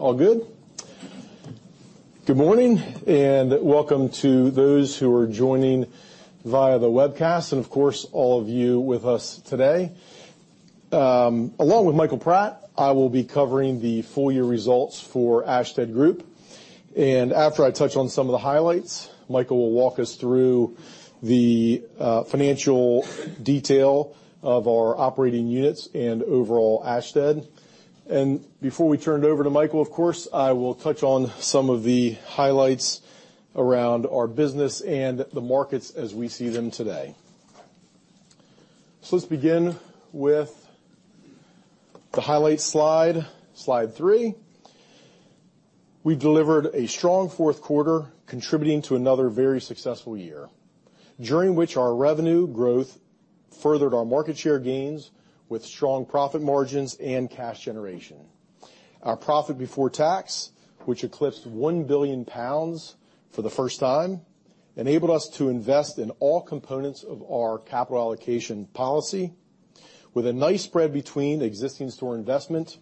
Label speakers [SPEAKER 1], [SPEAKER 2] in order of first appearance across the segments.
[SPEAKER 1] All good? Good morning. Welcome to those who are joining via the webcast, and of course, all of you with us today. Along with Michael Pratt, I will be covering the full year results for Ashtead Group. After I touch on some of the highlights, Michael will walk us through the financial detail of our operating units and overall Ashtead. Before we turn it over to Michael, of course, I will touch on some of the highlights around our business and the markets as we see them today. Let's begin with the highlights slide three. We delivered a strong fourth quarter contributing to another very successful year, during which our revenue growth furthered our market share gains with strong profit margins and cash generation. Our profit before tax, which eclipsed 1 billion pounds for the first time, enabled us to invest in all components of our capital allocation policy with a nice spread between existing store investment,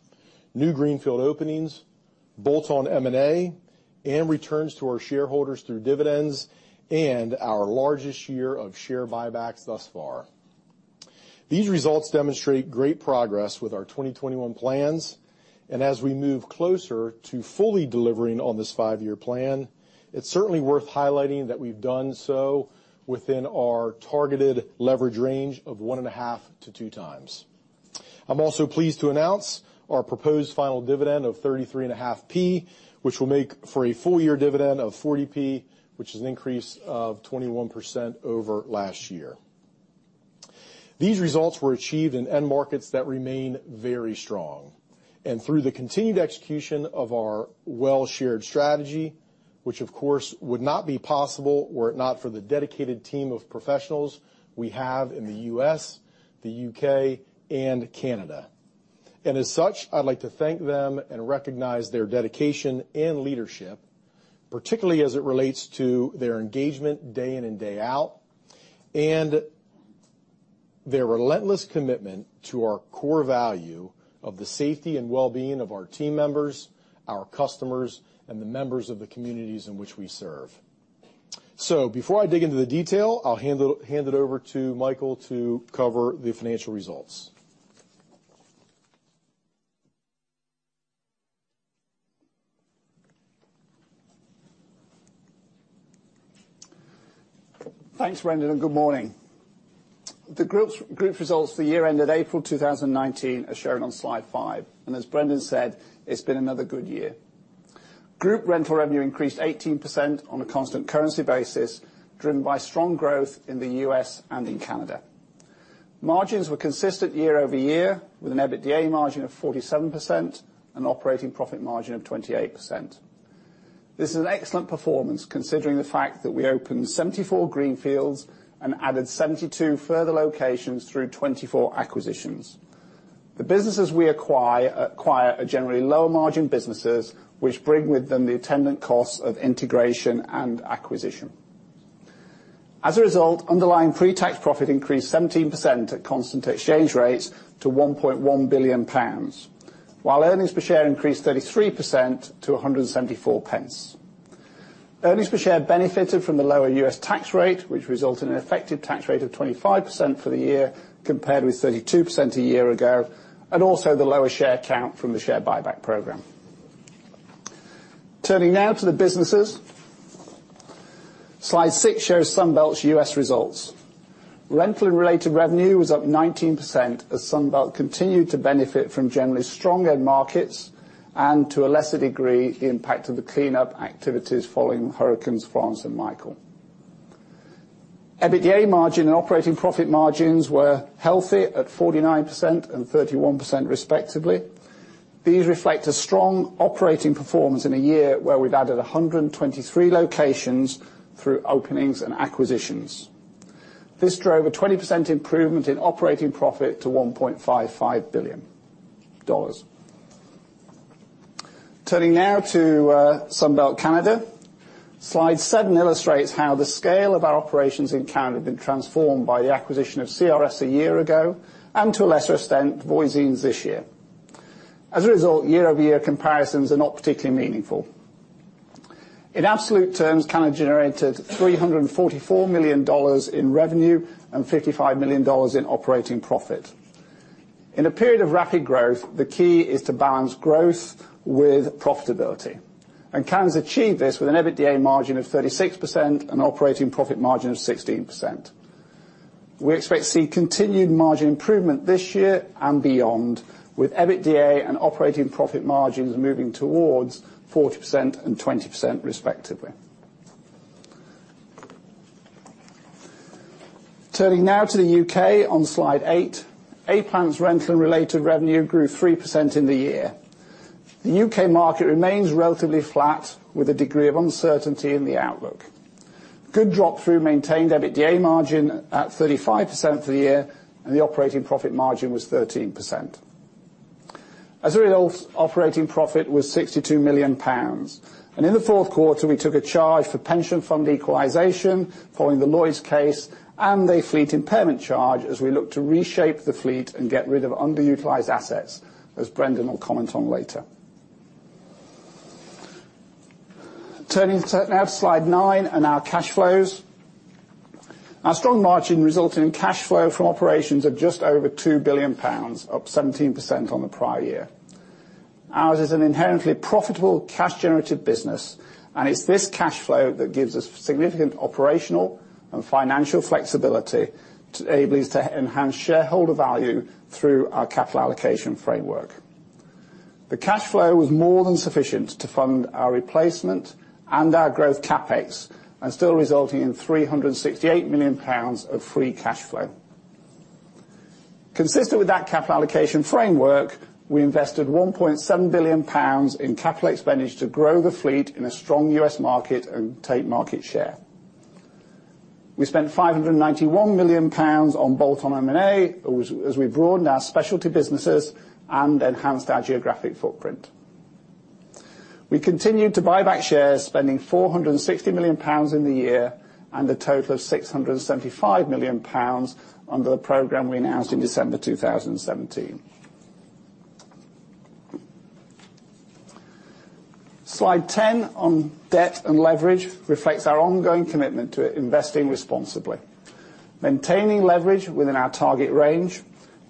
[SPEAKER 1] new greenfield openings, bolt-on M&A, and returns to our shareholders through dividends and our largest year of share buybacks thus far. These results demonstrate great progress with our 2021 plans. As we move closer to fully delivering on this five-year plan, it's certainly worth highlighting that we've done so within our targeted leverage range of one and a half to two times. I'm also pleased to announce our proposed final dividend of 0.335, which will make for a full year dividend of 0.40, which is an increase of 21% over last year. These results were achieved in end markets that remain very strong, and through the continued execution of our well-shared strategy, which of course would not be possible were it not for the dedicated team of professionals we have in the U.S., the U.K., and Canada. As such, I'd like to thank them and recognize their dedication and leadership, particularly as it relates to their engagement day in and day out, and their relentless commitment to our core value of the safety and wellbeing of our team members, our customers, and the members of the communities in which we serve. Before I dig into the detail, I'll hand it over to Michael to cover the financial results.
[SPEAKER 2] Thanks, Brendan. Good morning. The group results for the year ended April 2019 are shown on slide five. As Brendan said, it's been another good year. Group rental revenue increased 18% on a constant currency basis, driven by strong growth in the U.S. and in Canada. Margins were consistent year-over-year, with an EBITDA margin of 47% and operating profit margin of 28%. This is an excellent performance considering the fact that we opened 74 greenfields and added 72 further locations through 24 acquisitions. The businesses we acquire are generally lower margin businesses which bring with them the attendant costs of integration and acquisition. As a result, underlying pre-tax profit increased 17% at constant exchange rates to 1.1 billion pounds, while earnings per share increased 33% to 1.74. Earnings per share benefited from the lower U.S. tax rate, which resulted in an effective tax rate of 25% for the year, compared with 32% a year ago, and also the lower share count from the share buyback program. Turning now to the businesses. Slide six shows Sunbelt's U.S. results. Rental and related revenue was up 19% as Sunbelt continued to benefit from generally stronger end markets, and to a lesser degree, the impact of the cleanup activities following Hurricane Florence and Hurricane Michael. EBITDA margin and operating profit margins were healthy at 49% and 31% respectively. These reflect a strong operating performance in a year where we've added 123 locations through openings and acquisitions. This drove a 20% improvement in operating profit to $1.55 billion. Turning now to Sunbelt Canada. Slide seven illustrates how the scale of our operations in Canada have been transformed by the acquisition of CRS a year ago, and to a lesser extent, Voisin this year. As a result, year-over-year comparisons are not particularly meaningful. In absolute terms, Canada generated GBP 344 million in revenue and GBP 55 million in operating profit. In a period of rapid growth, the key is to balance growth with profitability, and Canada's achieved this with an EBITDA margin of 36% and operating profit margin of 16%. We expect to see continued margin improvement this year and beyond, with EBITDA and operating profit margins moving towards 40% and 20% respectively. Turning now to the U.K. on slide eight. A-Plant's rental and related revenue grew 3% in the year. The U.K. market remains relatively flat with a degree of uncertainty in the outlook. Good drop-through maintained EBITDA margin at 35% for the year, and the operating profit margin was 13%. As a result, operating profit was 62 million pounds. In the fourth quarter, we took a charge for pension fund equalization following the Lloyds case and a fleet impairment charge as we look to reshape the fleet and get rid of underutilized assets, as Brendan will comment on later. Turning to now slide nine and our cash flows. Our strong margin resulted in cash flow from operations of just over 2 billion pounds, up 17% on the prior year. Ours is an inherently profitable cash generative business, and it's this cash flow that gives us significant operational and financial flexibility to enable us to enhance shareholder value through our capital allocation framework. The cash flow was more than sufficient to fund our replacement and our growth CapEx, and still resulting in 368 million pounds of free cash flow. Consistent with that capital allocation framework, we invested 1.7 billion pounds in capital expenditure to grow the fleet in a strong U.S. market and take market share. We spent 591 million pounds on bolt-on M&A, as we broadened our specialty businesses and enhanced our geographic footprint. We continued to buy back shares, spending 460 million pounds in the year, and a total of 675 million pounds under the program we announced in December 2017. Slide 10 on debt and leverage reflects our ongoing commitment to investing responsibly, maintaining leverage within our target range,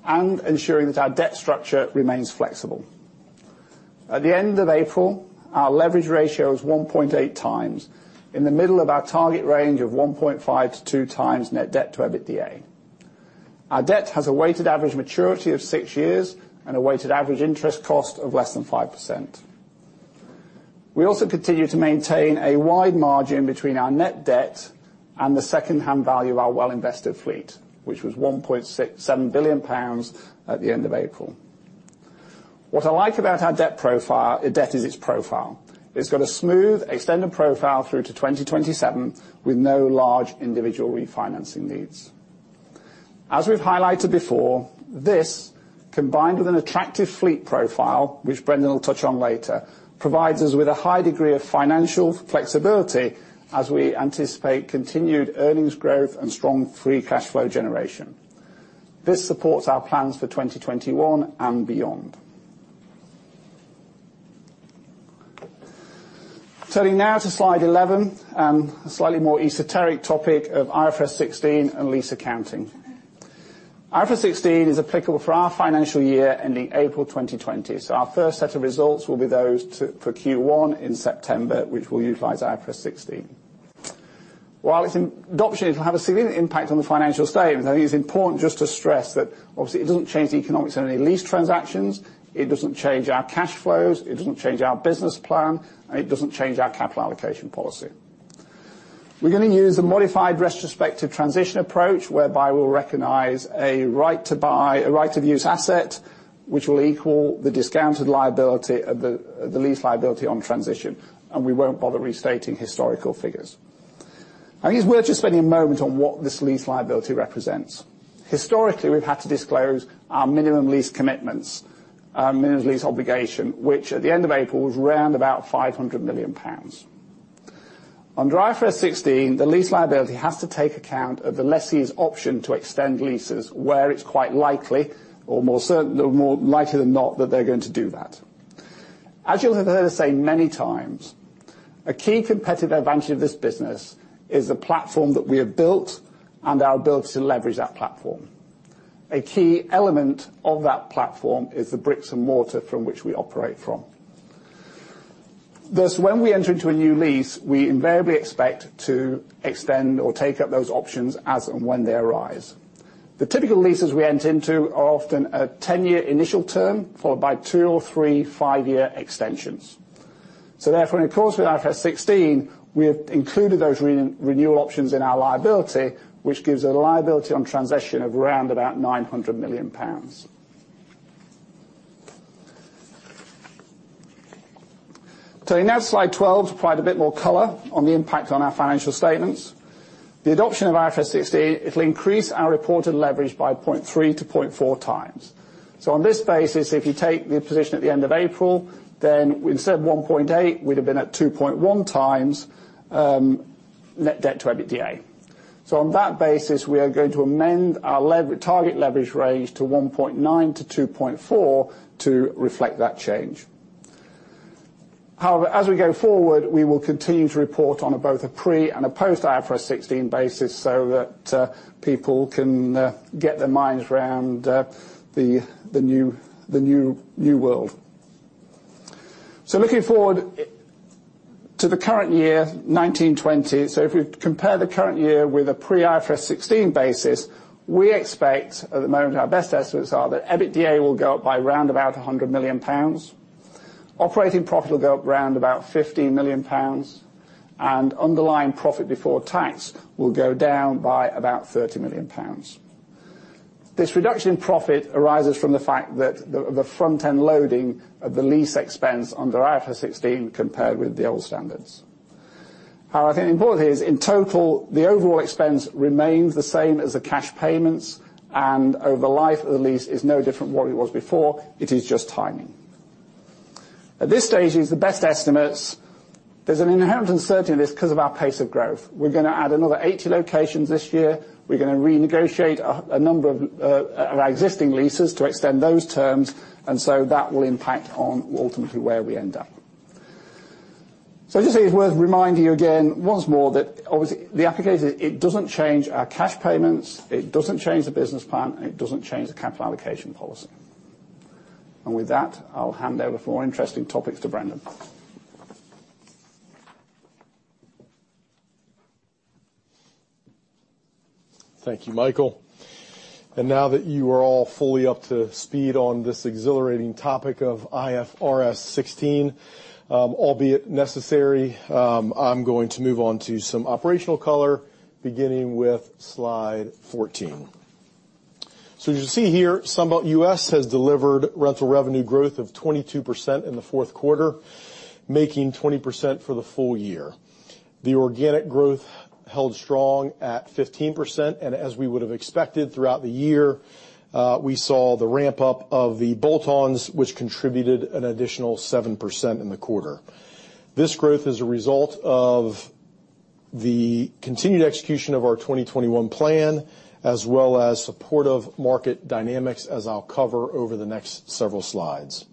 [SPEAKER 2] and ensuring that our debt structure remains flexible. At the end of April, our leverage ratio was 1.8 times, in the middle of our target range of 1.5-2 times net debt to EBITDA. Our debt has a weighted average maturity of six years and a weighted average interest cost of less than 5%. We also continue to maintain a wide margin between our net debt and the secondhand value of our well-invested fleet, which was 1.67 billion pounds at the end of April. What I like about our debt is its profile. It's got a smooth extended profile through to 2027 with no large individual refinancing needs. As we've highlighted before, this, combined with an attractive fleet profile, which Brendan will touch on later, provides us with a high degree of financial flexibility as we anticipate continued earnings growth and strong free cash flow generation. This supports our plans for 2021 and beyond. Turning now to slide 11, a slightly more esoteric topic of IFRS 16 and lease accounting. IFRS 16 is applicable for our financial year ending April 2020. Our first set of results will be those for Q1 in September, which will utilize IFRS 16. While its adoption will have a significant impact on the financial statements, I think it's important just to stress that obviously it doesn't change the economics of any lease transactions, it doesn't change our cash flows, it doesn't change our business plan, and it doesn't change our capital allocation policy. We're going to use a modified retrospective transition approach whereby we'll recognize a right to use asset, which will equal the discounted liability of the lease liability on transition, and we won't bother restating historical figures. I think it's worth just spending a moment on what this lease liability represents. Historically, we've had to disclose our minimum lease commitments, our minimum lease obligation, which at the end of April was around about 500 million pounds. Under IFRS 16, the lease liability has to take account of the lessee's option to extend leases where it's quite likely, or more likelier than not that they're going to do that. As you'll have heard us say many times, a key competitive advantage of this business is the platform that we have built and our ability to leverage that platform. A key element of that platform is the bricks and mortar from which we operate from. Thus, when we enter into a new lease, we invariably expect to extend or take up those options as and when they arise. The typical leases we enter into are often a 10-year initial term, followed by two or three five-year extensions. Therefore, in accordance with IFRS 16, we have included those renewal options in our liability, which gives a liability on transition of around about 900 million pounds. Turning now to slide 12, to provide a bit more color on the impact on our financial statements. The adoption of IFRS 16, it'll increase our reported leverage by 0.3-0.4 times. On this basis, if you take the position at the end of April, then instead of 1.8, we'd have been at 2.1 times net debt to EBITDA. On that basis, we are going to amend our target leverage range to 1.9-2.4 to reflect that change. However, as we go forward, we will continue to report on both a pre- and a post-IFRS 16 basis so that people can get their minds around the new world. Looking forward to the current year, 2019/2020. If we compare the current year with a pre-IFRS 16 basis, we expect at the moment, our best estimates are that EBITDA will go up by around about 100 million pounds. Operating profit will go up around about 15 million pounds, and underlying profit before tax will go down by about 30 million pounds. This reduction in profit arises from the fact that the front-end loading of the lease expense under IFRS 16 compared with the old standards. I think importantly is, in total, the overall expense remains the same as the cash payments, and over the life of the lease is no different than what it was before, it is just timing. At this stage, these are the best estimates. There's an inherent uncertainty in this because of our pace of growth. We're going to add another 80 locations this year. We're going to renegotiate a number of our existing leases to extend those terms, that will impact on ultimately where we end up. I just think it's worth reminding you again once more that obviously the application, it doesn't change our cash payments, it doesn't change the business plan, and it doesn't change the capital allocation policy. With that, I'll hand over for more interesting topics to Brendan.
[SPEAKER 1] Thank you, Michael. Now that you are all fully up to speed on this exhilarating topic of IFRS 16, albeit necessary, I'm going to move on to some operational color, beginning with slide 14. As you see here, Sunbelt U.S. has delivered rental revenue growth of 22% in the fourth quarter, making 20% for the full year. The organic growth held strong at 15%, and as we would have expected throughout the year, we saw the ramp-up of the bolt-ons, which contributed an additional 7% in the quarter. This growth is a result of the continued execution of our 2021 plan, as well as supportive market dynamics, as I'll cover over the next several slides.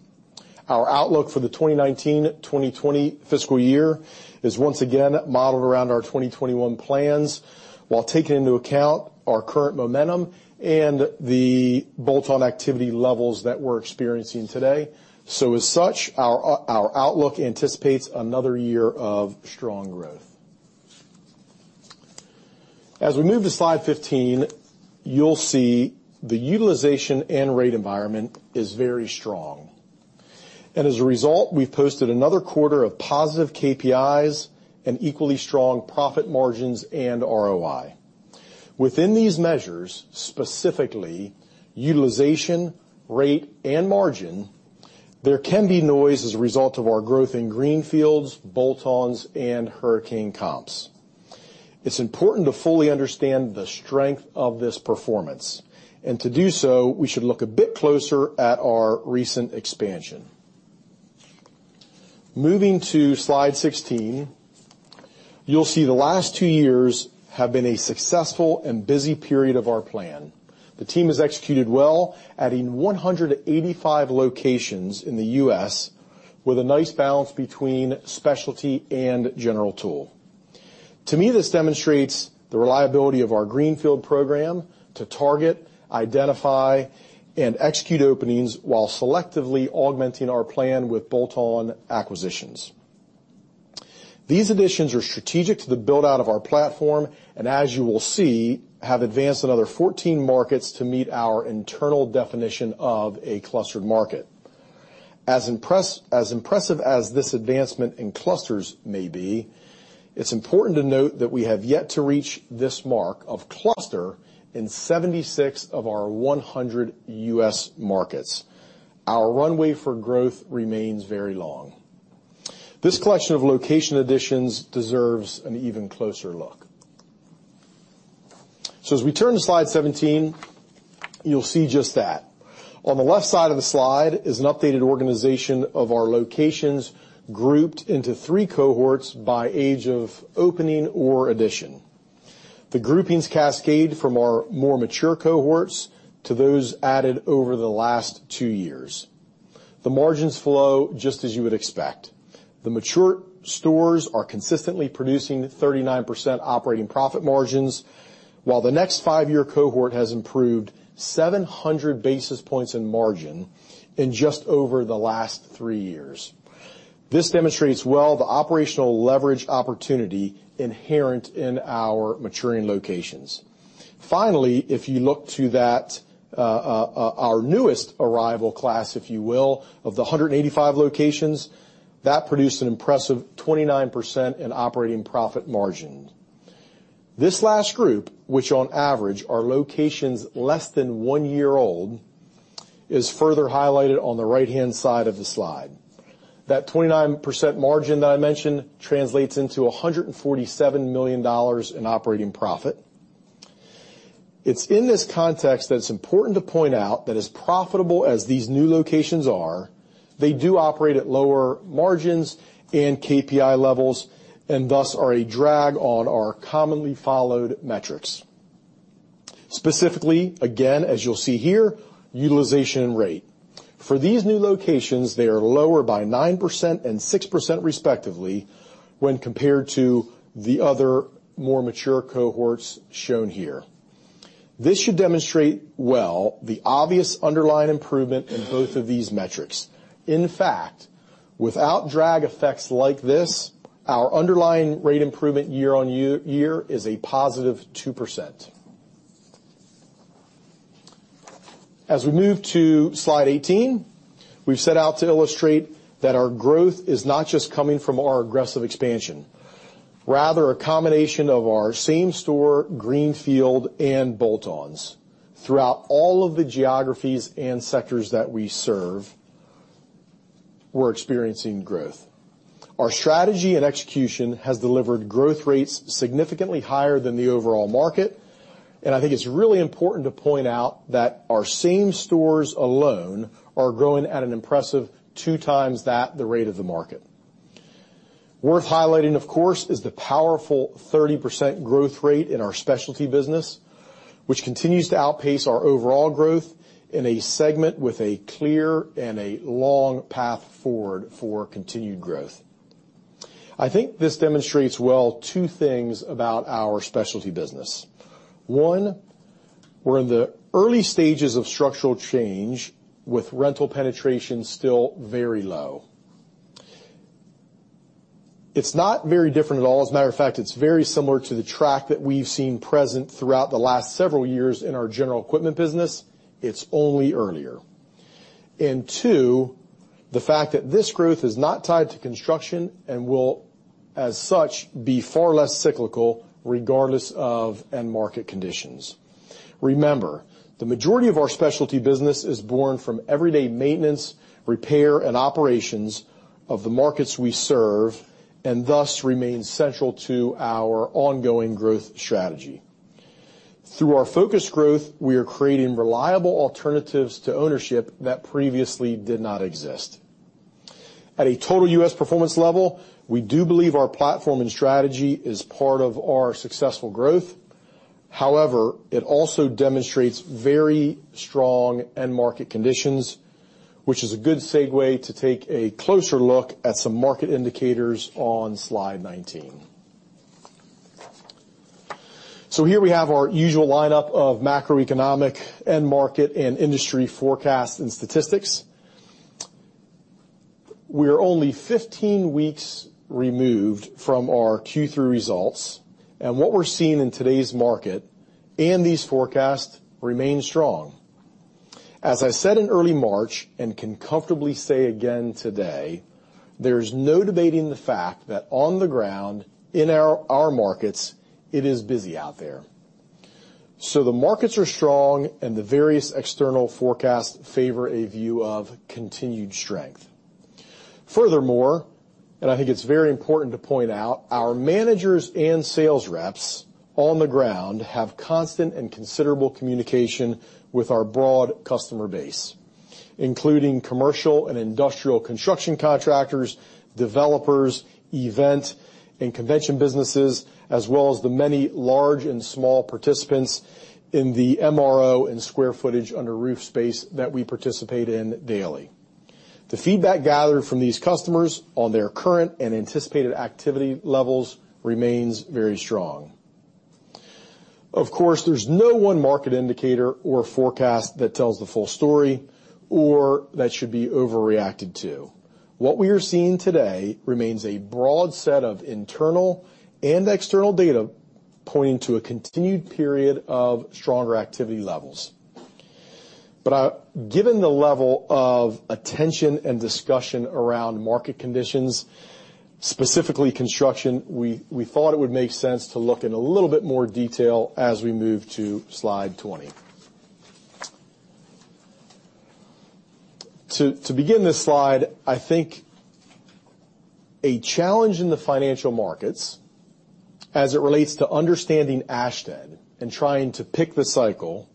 [SPEAKER 1] Our outlook for the 2019-2020 fiscal year is once again modeled around our 2021 plans, while taking into account our current momentum and the bolt-on activity levels that we're experiencing today. As such, our outlook anticipates another year of strong growth. As we move to slide 15, you'll see the utilization and rate environment is very strong. As a result, we've posted another quarter of positive KPIs and equally strong profit margins and ROI. Within these measures, specifically utilization, rate, and margin, there can be noise as a result of our growth in greenfields, bolt-ons, and Hurricane comps. It's important to fully understand the strength of this performance, and to do so, we should look a bit closer at our recent expansion. Moving to Slide 16, you'll see the last two years have been a successful and busy period of our plan. The team has executed well, adding 185 locations in the U.S. with a nice balance between specialty and general tool. To me, this demonstrates the reliability of our greenfield program to target, identify, and execute openings while selectively augmenting our plan with bolt-on acquisitions. These additions are strategic to the build-out of our platform, and as you will see, have advanced another 14 markets to meet our internal definition of a clustered market. As impressive as this advancement in clusters may be, it's important to note that we have yet to reach this mark of cluster in 76 of our 100 U.S. markets. Our runway for growth remains very long. This collection of location additions deserves an even closer look. As we turn to slide 17, you'll see just that. On the left side of the slide is an updated organization of our locations grouped into three cohorts by age of opening or addition. The groupings cascade from our more mature cohorts to those added over the last two years. The margins flow just as you would expect. The mature stores are consistently producing 39% operating profit margins, while the next five-year cohort has improved 700 basis points in margin in just over the last three years. This demonstrates well the operational leverage opportunity inherent in our maturing locations. Finally, if you look to our newest arrival class, if you will, of the 185 locations, that produced an impressive 29% in operating profit margin. This last group, which on average are locations less than one year old, is further highlighted on the right-hand side of the slide. That 29% margin that I mentioned translates into $147 million in operating profit. It's in this context that it's important to point out that as profitable as these new locations are, they do operate at lower margins and KPI levels and thus are a drag on our commonly followed metrics. Specifically, again, as you'll see here, utilization and rate. For these new locations, they are lower by 9% and 6% respectively when compared to the other more mature cohorts shown here. This should demonstrate well the obvious underlying improvement in both of these metrics. In fact, without drag effects like this, our underlying rate improvement year-over-year is a positive 2%. As we move to slide 18, we've set out to illustrate that our growth is not just coming from our aggressive expansion. Rather, a combination of our same-store greenfield and bolt-ons throughout all of the geographies and sectors that we serve, we're experiencing growth. Our strategy and execution has delivered growth rates significantly higher than the overall market, and I think it's really important to point out that our same stores alone are growing at an impressive two times that the rate of the market. Worth highlighting, of course, is the powerful 30% growth rate in our specialty business, which continues to outpace our overall growth in a segment with a clear and a long path forward for continued growth. I think this demonstrates well two things about our specialty business. One, we're in the early stages of structural change, with rental penetration still very low. It's not very different at all. A matter of fact, it's very similar to the track that we've seen present throughout the last several years in our general equipment business. It's only earlier. Two, the fact that this growth is not tied to construction and will, as such, be far less cyclical regardless of end market conditions. Remember, the majority of our specialty business is born from everyday maintenance, repair, and operations of the markets we serve, and thus remains central to our ongoing growth strategy. Through our focused growth, we are creating reliable alternatives to ownership that previously did not exist. At a total U.S. performance level, we do believe our platform and strategy is part of our successful growth. However, it also demonstrates very strong end market conditions, which is a good segue to take a closer look at some market indicators on slide 19. Here we have our usual lineup of macroeconomic, end market, and industry forecasts and statistics. We are only 15 weeks removed from our Q3 results, and what we're seeing in today's market and these forecasts remain strong. As I said in early March, and can comfortably say again today, there's no debating the fact that on the ground, in our markets, it is busy out there. The markets are strong and the various external forecasts favor a view of continued strength. Furthermore, I think it's very important to point out, our managers and sales reps on the ground have constant and considerable communication with our broad customer base, including commercial and industrial construction contractors, developers, event and convention businesses, as well as the many large and small participants in the MRO and square footage under roof space that we participate in daily. The feedback gathered from these customers on their current and anticipated activity levels remains very strong. Of course, there's no one market indicator or forecast that tells the full story or that should be overreacted to. What we are seeing today remains a broad set of internal and external data pointing to a continued period of stronger activity levels. Given the level of attention and discussion around market conditions, specifically construction, we thought it would make sense to look in a little bit more detail as we move to slide 20. To begin this slide, I think a challenge in the financial markets as it relates to understanding Ashtead and trying to pick the cycle,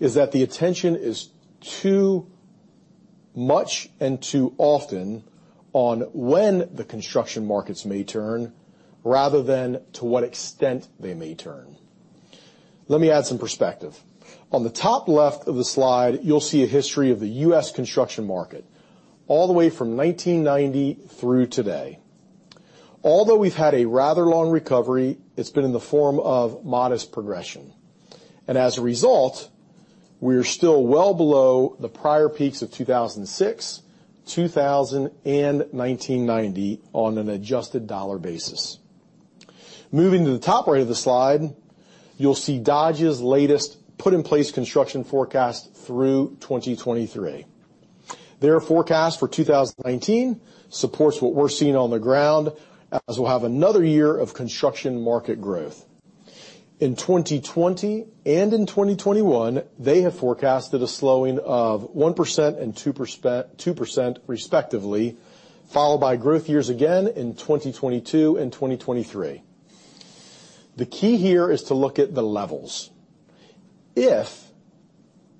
[SPEAKER 1] is that the attention is too much and too often on when the construction markets may turn, rather than to what extent they may turn. Let me add some perspective. On the top left of the slide, you'll see a history of the U.S. construction market all the way from 1990 through today. Although we've had a rather long recovery, it's been in the form of modest progression. As a result, we are still well below the prior peaks of 2006, 2000, and 1990 on an adjusted dollar basis. Moving to the top right of the slide, you'll see Dodge's latest put-in-place construction forecast through 2023. Their forecast for 2019 supports what we're seeing on the ground as we'll have another year of construction market growth. In 2020 and in 2021, they have forecasted a slowing of 1% and 2%, respectively, followed by growth years again in 2022 and 2023. The key here is to look at the levels. If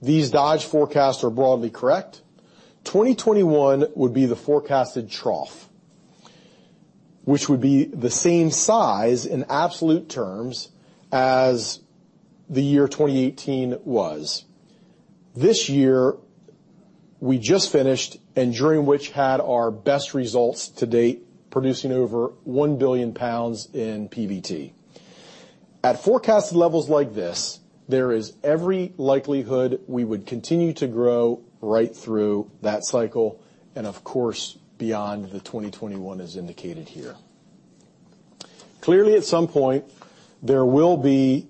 [SPEAKER 1] these Dodge forecasts are broadly correct, 2021 would be the forecasted trough, which would be the same size in absolute terms as the year 2018 was. This year we just finished and during which had our best results to date, producing over 1 billion pounds in PBT. At forecasted levels like this, there is every likelihood we would continue to grow right through that cycle and of course, beyond the 2021 as indicated here. Clearly, at some point, there will be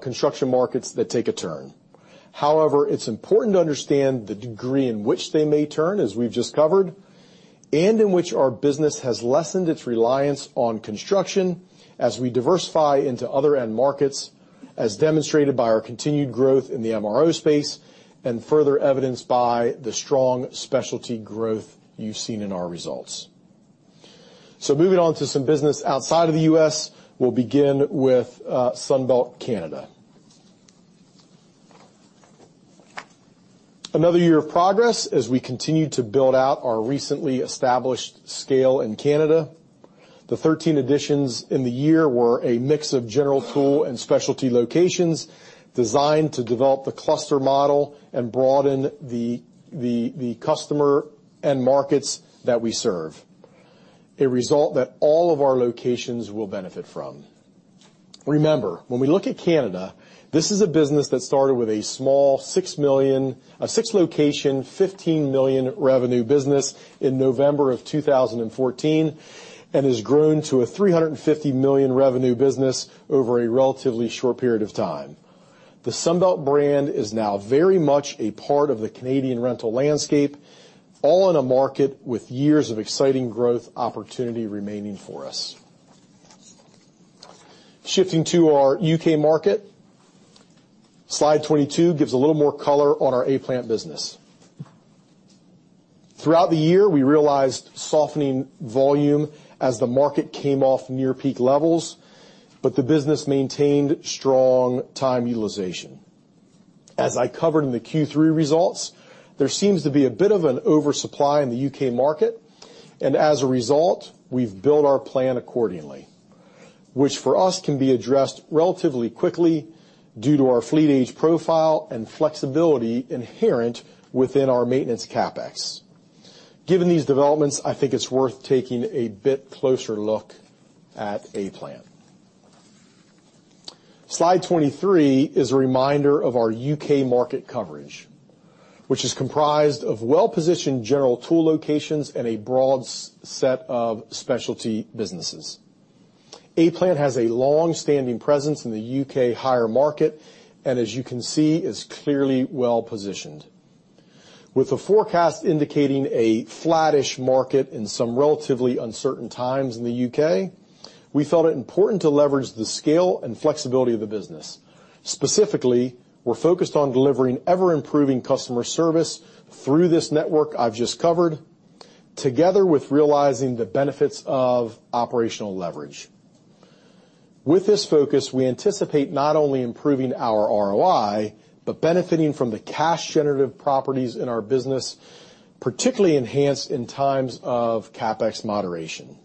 [SPEAKER 1] construction markets that take a turn. However, it's important to understand the degree in which they may turn, as we've just covered, and in which our business has lessened its reliance on construction as we diversify into other end markets, as demonstrated by our continued growth in the MRO space and further evidenced by the strong specialty growth you've seen in our results. Moving on to some business outside of the U.S., we'll begin with Sunbelt Canada. Another year of progress as we continue to build out our recently established scale in Canada. The 13 additions in the year were a mix of general tool and specialty locations designed to develop the cluster model and broaden the customer and markets that we serve, a result that all of our locations will benefit from. Remember, when we look at Canada, this is a business that started with a small, six location, 15 million revenue business in November of 2014, and has grown to a 350 million revenue business over a relatively short period of time. The Sunbelt brand is now very much a part of the Canadian rental landscape, all in a market with years of exciting growth opportunity remaining for us. Shifting to our U.K. market, slide 22 gives a little more color on our A-Plant business. Throughout the year, we realized softening volume as the market came off near peak levels, but the business maintained strong time utilization. As I covered in the Q3 results, there seems to be a bit of an oversupply in the U.K. market, and as a result, we've built our plan accordingly, which for us can be addressed relatively quickly due to our fleet age profile and flexibility inherent within our maintenance CapEx. Given these developments, I think it's worth taking a bit closer look at A-Plant. Slide 23 is a reminder of our U.K. market coverage, which is comprised of well-positioned general tool locations and a broad set of specialty businesses. A-Plant has a long-standing presence in the U.K. hire market, and as you can see, is clearly well-positioned. With the forecast indicating a flattish market in some relatively uncertain times in the U.K., we're focused on delivering ever-improving customer service through this network I've just covered, together with realizing the benefits of operational leverage. With this focus, we anticipate not only improving our ROI, but benefiting from the cash-generative properties in our business, particularly enhanced in times of CapEx moderation.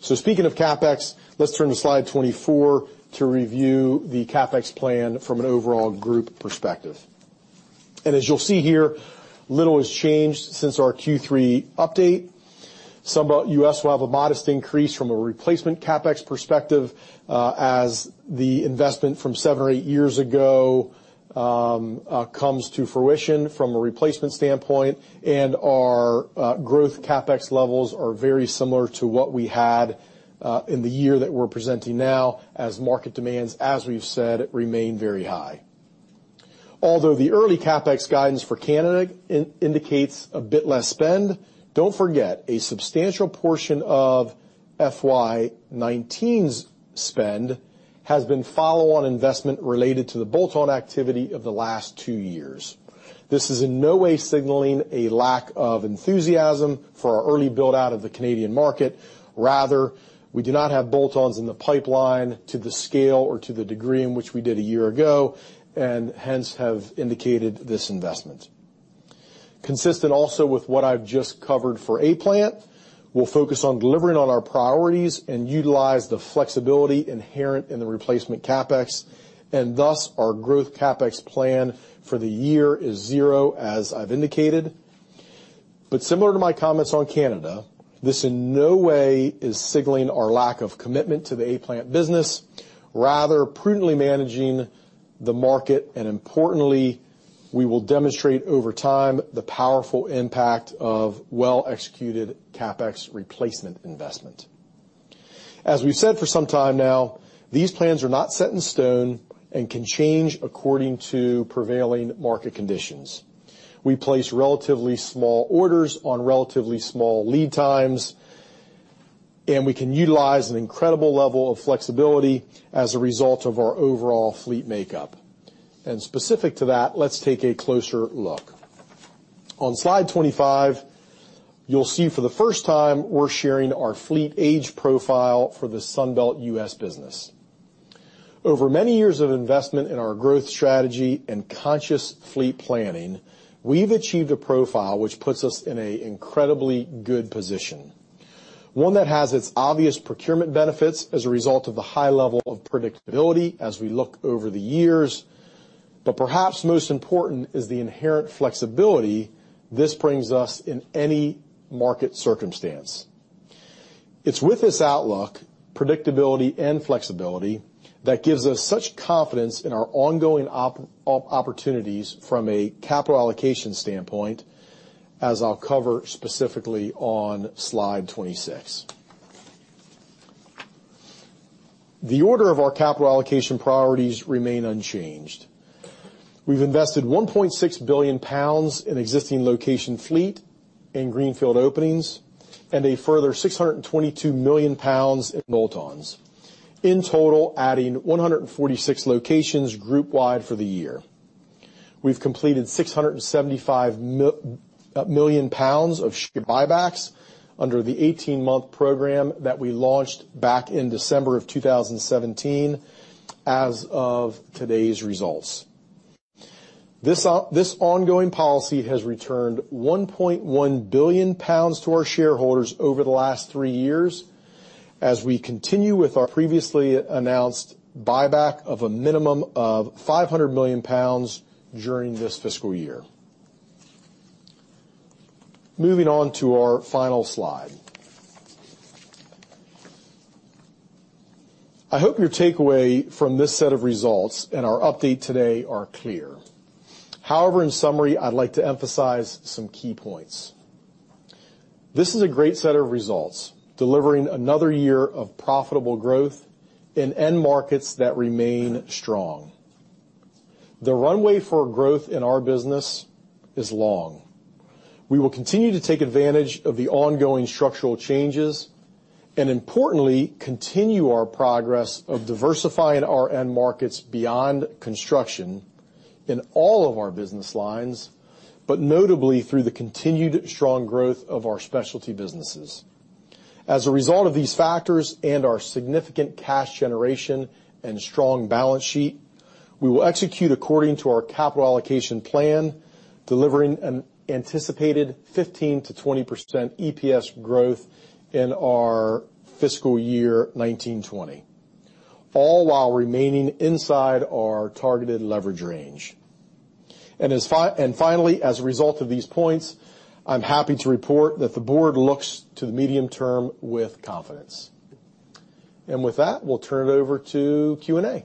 [SPEAKER 1] Speaking of CapEx, let's turn to slide 24 to review the CapEx plan from an overall group perspective. As you'll see here, little has changed since our Q3 update. Sunbelt U.S. will have a modest increase from a replacement CapEx perspective as the investment from seven or eight years ago comes to fruition from a replacement standpoint. Our growth CapEx levels are very similar to what we had in the year that we're presenting now, as market demands, as we've said, remain very high. Although the early CapEx guidance for Canada indicates a bit less spend, don't forget a substantial portion of FY 2019's spend has been follow-on investment related to the bolt-on activity of the last two years. This is in no way signaling a lack of enthusiasm for our early build-out of the Canadian market. Rather, we do not have bolt-ons in the pipeline to the scale or to the degree in which we did a year ago, and hence have indicated this investment. Consistent also with what I've just covered for A-Plant, we'll focus on delivering on our priorities and utilize the flexibility inherent in the replacement CapEx, and thus our growth CapEx plan for the year is zero, as I've indicated. Similar to my comments on Canada, this in no way is signaling our lack of commitment to the A-Plant business, rather prudently managing the market, and importantly, we will demonstrate over time the powerful impact of well-executed CapEx replacement investment. As we've said for some time now, these plans are not set in stone and can change according to prevailing market conditions. We place relatively small orders on relatively small lead times, and we can utilize an incredible level of flexibility as a result of our overall fleet makeup. Specific to that, let's take a closer look. On slide 25, you'll see for the first time we're sharing our fleet age profile for the Sunbelt U.S. business. Over many years of investment in our growth strategy and conscious fleet planning, we've achieved a profile which puts us in an incredibly good position, one that has its obvious procurement benefits as a result of the high level of predictability as we look over the years. Perhaps most important is the inherent flexibility this brings us in any market circumstance. It's with this outlook, predictability and flexibility, that gives us such confidence in our ongoing opportunities from a capital allocation standpoint, as I'll cover specifically on slide 26. The order of our capital allocation priorities remain unchanged. We've invested 1.6 billion pounds in existing location fleet and greenfield openings, and a further 622 million pounds in bolt-ons, in total adding 146 locations group-wide for the year. We've completed 675 million pounds of share buybacks under the 18-month program that we launched back in December of 2017. As of today's results, this ongoing policy has returned 1.1 billion pounds to our shareholders over the last three years, as we continue with our previously announced buyback of a minimum of 500 million pounds during this fiscal year. Moving on to our final slide. I hope your takeaway from this set of results and our update today are clear. In summary, I'd like to emphasize some key points. This is a great set of results, delivering another year of profitable growth in end markets that remain strong. The runway for growth in our business is long. We will continue to take advantage of the ongoing structural changes, importantly, continue our progress of diversifying our end markets beyond construction in all of our business lines, but notably through the continued strong growth of our specialty businesses. As a result of these factors and our significant cash generation and strong balance sheet, we will execute according to our capital allocation plan, delivering an anticipated 15%-20% EPS growth in our fiscal year 1920, all while remaining inside our targeted leverage range. Finally, as a result of these points, I'm happy to report that the board looks to the medium term with confidence. With that, we'll turn it over to Q&A.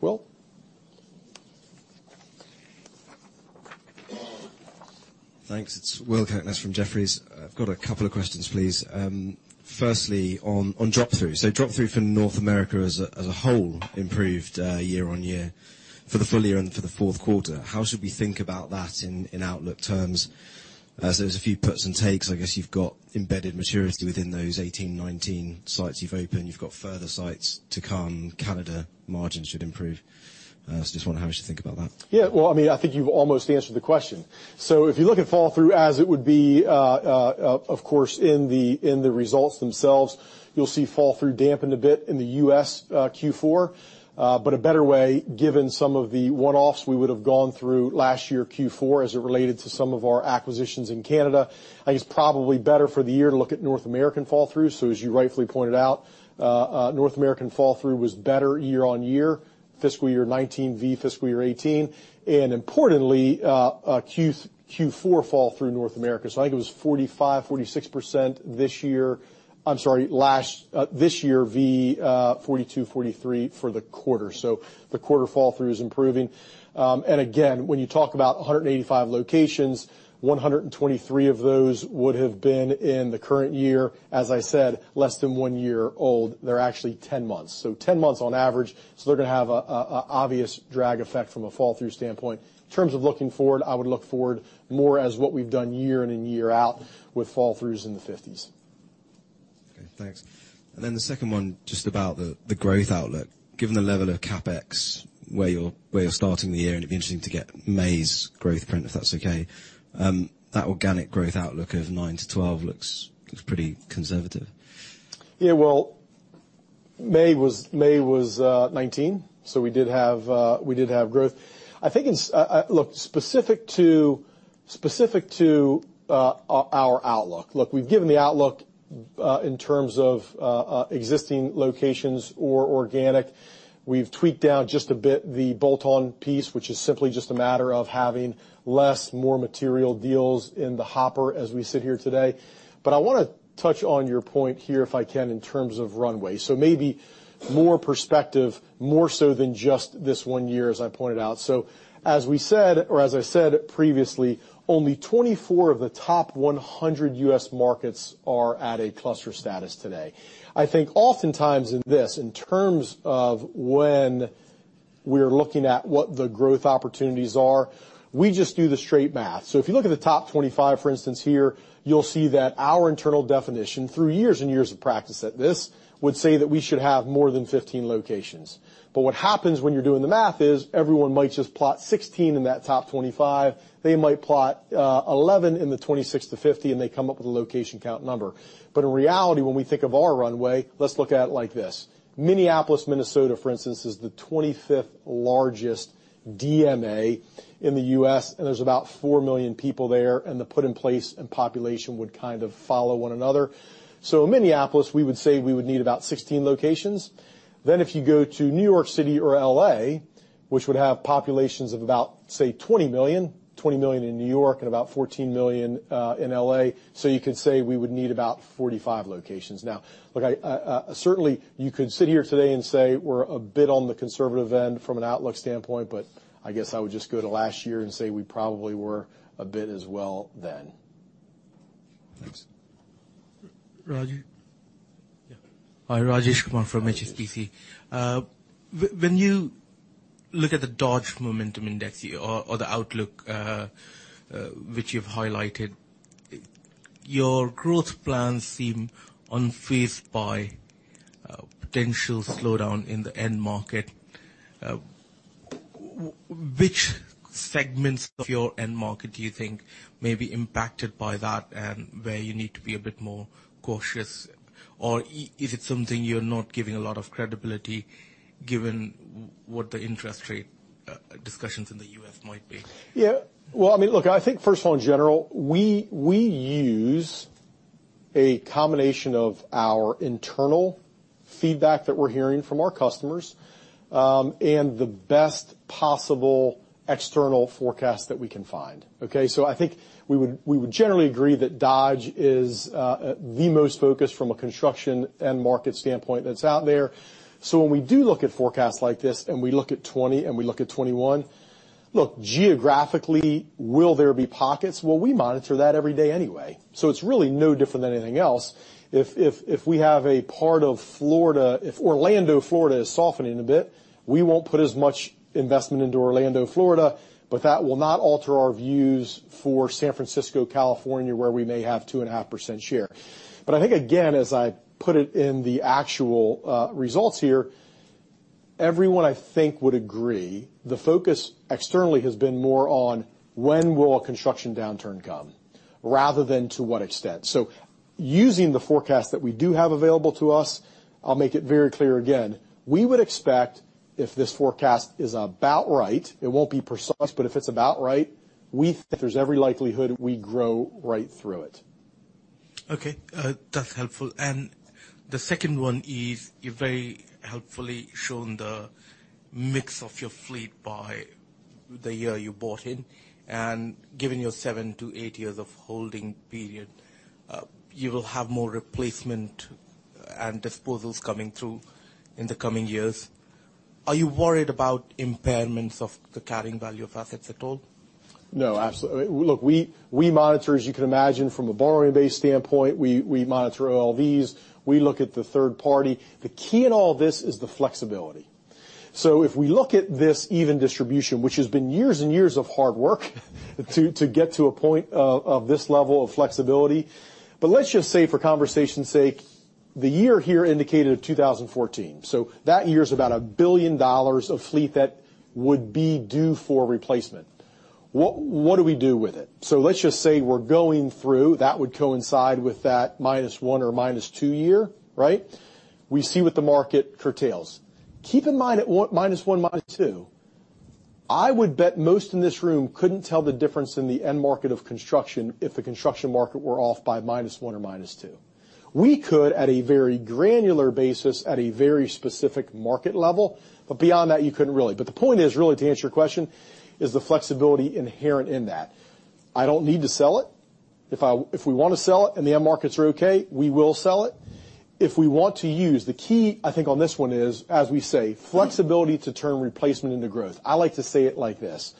[SPEAKER 1] Will?
[SPEAKER 3] Thanks. It's Will Kirkness from Jefferies. I've got a couple of questions, please. Firstly, on drop-through. Drop-through for North America as a whole improved year-on-year for the full year and for the fourth quarter. How should we think about that in outlook terms, as there's a few puts and takes, I guess you've got embedded maturity within those 18, 19 sites you've opened. You've got further sites to come. Canada margins should improve. I just wonder how we should think about that.
[SPEAKER 1] Well, I think you've almost answered the question. If you look at fall-through as it would be, of course, in the results themselves, you'll see fall-through dampened a bit in the U.S. Q4. A better way, given some of the one-offs we would have gone through last year Q4 as it related to some of our acquisitions in Canada, I think it's probably better for the year to look at North American fall-through. As you rightfully pointed out, North American fall-through was better year-on-year, fiscal year 2019 v fiscal year 2018. Importantly, Q4 fall-through North America. I think it was 45%-46% this year. I'm sorry, this year v 42%-43% for the quarter. The quarter fall-through is improving. Again, when you talk about 185 locations, 123 of those would have been in the current year. As I said, less than one year old. They're actually 10 months. 10 months on average. They're going to have an obvious drag effect from a fall-through standpoint. In terms of looking forward, I would look forward more as what we've done year in and year out with fall-throughs in the 50s.
[SPEAKER 3] Okay, thanks. The second one, just about the growth outlook. Given the level of CapEx, where you're starting the year, and it'd be interesting to get May's growth print, if that's okay. That organic growth outlook of 9%-12% looks pretty conservative.
[SPEAKER 1] Yeah. Well, May was 19, we did have growth. Look, specific to our outlook. Look, we've given the outlook in terms of existing locations or organic. We've tweaked down just a bit the bolt-on piece, which is simply just a matter of having less more material deals in the hopper as we sit here today. I want to touch on your point here if I can in terms of runway. Maybe more perspective, more so than just this one year, as I pointed out. As I said previously, only 24 of the top 100 U.S. markets are at a cluster status today. I think oftentimes in this, in terms of when we're looking at what the growth opportunities are, we just do the straight math. If you look at the top 25, for instance, here, you'll see that our internal definition, through years and years of practice at this, would say that we should have more than 15 locations. What happens when you're doing the math is everyone might just plot 16 in that top 25. They might plot 11 in the 26-50, and they come up with a location count number. In reality, when we think of our runway, let's look at it like this. Minneapolis, Minnesota, for instance, is the 25th largest DMA in the U.S., and there's about four million people there, and the put in place and population would kind of follow one another. In Minneapolis, we would say we would need about 16 locations. If you go to New York City or L.A., which would have populations of about, say, 20 million, 20 million in New York and about 14 million in L.A. You could say we would need about 45 locations. Look, certainly you could sit here today and say we're a bit on the conservative end from an outlook standpoint, but I guess I would just go to last year and say we probably were a bit as well then.
[SPEAKER 3] Thanks.
[SPEAKER 4] Raju?
[SPEAKER 5] Yeah. Hi, Rajesh Kumar from HSBC. When you look at the Dodge Momentum Index or the outlook, which you've highlighted, your growth plans seem unfazed by potential slowdown in the end market. Which segments of your end market do you think may be impacted by that, and where you need to be a bit more cautious? Or is it something you're not giving a lot of credibility, given what the interest rate discussions in the U.S. might be?
[SPEAKER 1] Yeah. Well, look, I think first of all, in general, we use a combination of our internal feedback that we're hearing from our customers, and the best possible external forecast that we can find. Okay? I think we would generally agree that Dodge is the most focused from a construction and market standpoint that's out there. When we do look at forecasts like this and we look at 2020 and we look at 2021, look, geographically, will there be pockets? Well, we monitor that every day anyway. It's really no different than anything else. If Orlando, Florida is softening a bit, we won't put as much investment into Orlando, Florida, but that will not alter our views for San Francisco, California, where we may have 2.5% share. I think, again, as I put it in the actual results here, everyone, I think, would agree, the focus externally has been more on when will a construction downturn come, rather than to what extent. Using the forecast that we do have available to us, I'll make it very clear again, we would expect if this forecast is about right, it won't be precise, but if it's about right, we think there's every likelihood we grow right through it.
[SPEAKER 5] Okay. That's helpful. The second one is, you've very helpfully shown the mix of your fleet by the year you bought in. Given your seven to eight years of holding period, you will have more replacement and disposals coming through in the coming years. Are you worried about impairments of the carrying value of assets at all?
[SPEAKER 1] Absolutely. We monitor, as you can imagine, from a borrowing base standpoint, we monitor OLV. We look at the third party. The key in all this is the flexibility. If we look at this even distribution, which has been years and years of hard work to get to a point of this level of flexibility, but let's just say, for conversation's sake, the year here indicated 2014. That year is about GBP 1 billion of fleet that would be due for replacement. What do we do with it? Let's just say we're going through. That would coincide with that minus one or minus two year, right? We see what the market curtails. Keep in mind, at minus one, minus two, I would bet most in this room couldn't tell the difference in the end market of construction if the construction market were off by minus one or minus two. We could, at a very granular basis, at a very specific market level, but beyond that, you couldn't really. The point is, really, to answer your question, is the flexibility inherent in that. I don't need to sell it. If we want to sell it and the end markets are okay, we will sell it. If we want to use The key, I think, on this one is, as we say, flexibility to turn replacement into growth. I like to say it like this: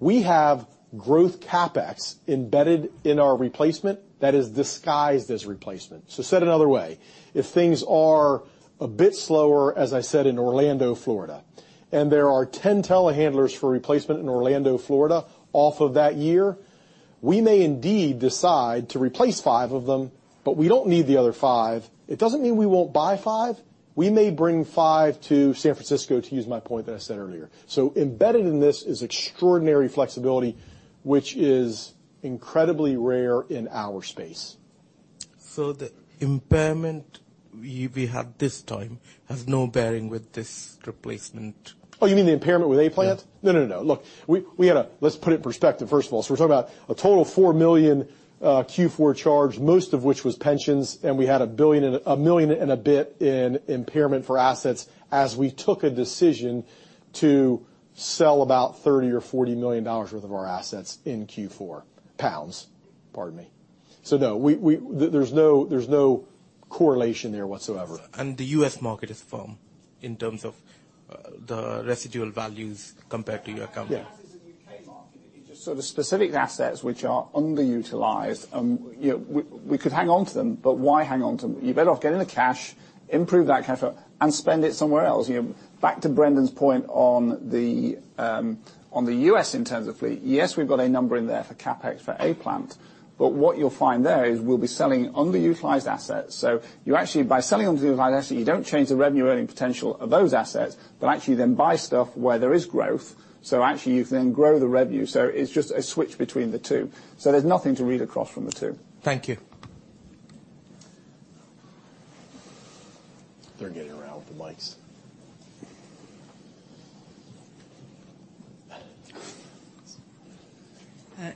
[SPEAKER 1] We have growth CapEx embedded in our replacement that is disguised as replacement. Said another way, if things are a bit slower, as I said, in Orlando, Florida, and there are 10 telehandlers for replacement in Orlando, Florida, off of that year, we may indeed decide to replace five of them, but we don't need the other five. It doesn't mean we won't buy five. We may bring five to San Francisco, to use my point that I said earlier. Embedded in this is extraordinary flexibility, which is incredibly rare in our space.
[SPEAKER 5] The impairment we have this time has no bearing with this replacement?
[SPEAKER 1] Oh, you mean the impairment with A-Plant?
[SPEAKER 5] Yeah.
[SPEAKER 4] No, no. Look, let's put it in perspective, first of all. We're talking about a total of 4 million Q4 charge, most of which was pensions, and we had 1 million and a bit in impairment for assets as we took a decision to sell about GBP 30 million-GBP 40 million worth of our assets in Q4. Pounds, pardon me. No. There's no correlation there whatsoever.
[SPEAKER 5] The U.S. market is firm in terms of the residual values compared to your company?
[SPEAKER 1] Yeah.
[SPEAKER 2] Assets in U.K. market. The specific assets which are underutilized, we could hang on to them, but why hang on to them? You're better off getting the cash, improve that cash flow and spend it somewhere else. Back to Brendan's point on the U.S. in terms of fleet, yes, we've got a number in there for CapEx for A-Plant. What you'll find there is we'll be selling underutilized assets. You actually, by selling underutilized assets, you don't change the revenue-earning potential of those assets, but actually then buy stuff where there is growth. Actually, you can then grow the revenue. It's just a switch between the two. There's nothing to read across from the two.
[SPEAKER 5] Thank you.
[SPEAKER 1] They are getting around with the mics.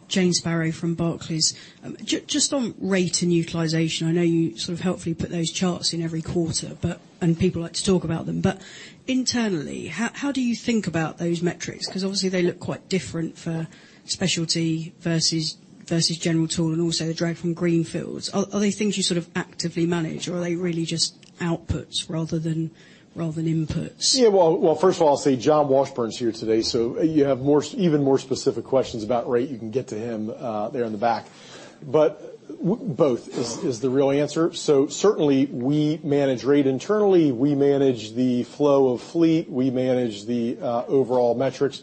[SPEAKER 6] Jane Sparrow from Barclays. Just on rate and utilization, I know you sort of helpfully put those charts in every quarter, and people like to talk about them. Internally, how do you think about those metrics? Because obviously, they look quite different for specialty versus general tool and also the drag from greenfields. Are they things you sort of actively manage, or are they really just outputs rather than inputs?
[SPEAKER 1] Yeah. First of all, I will say John Washburn is here today, so you have even more specific questions about rate, you can get to him there in the back. Both is the real answer. Certainly, we manage rate internally. We manage the flow of fleet. We manage the overall metrics.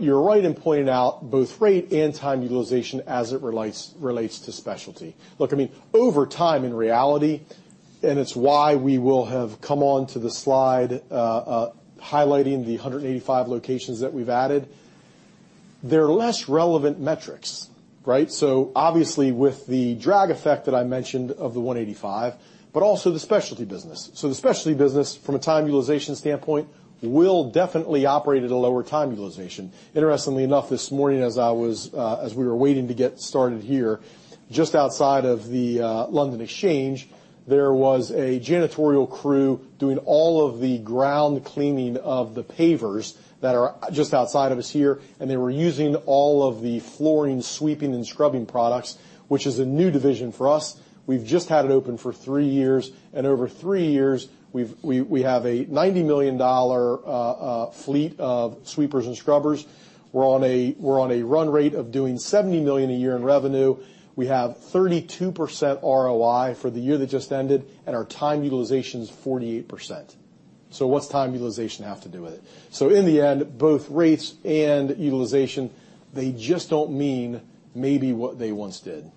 [SPEAKER 1] You are right in pointing out both rate and time utilization as it relates to specialty. Look, over time, in reality, it is why we will have come onto the slide highlighting the 185 locations that we have added. They are less relevant metrics, right? Obviously, with the drag effect that I mentioned of the 185, also the specialty business. The specialty business, from a time utilization standpoint, will definitely operate at a lower time utilization. Interestingly enough, this morning as we were waiting to get started here, just outside of the London Stock Exchange, there was a janitorial crew doing all of the ground cleaning of the pavers that are just outside of us here, and they were using all of the flooring, sweeping, and scrubbing products, which is a new division for us. We've just had it open for three years. Over three years, we have a $90 million fleet of sweepers and scrubbers. We're on a run rate of doing $70 million a year in revenue. We have 32% ROI for the year that just ended, and our time utilization is 48%. What's time utilization have to do with it? In the end, both rates and utilization, they just don't mean maybe what they once did.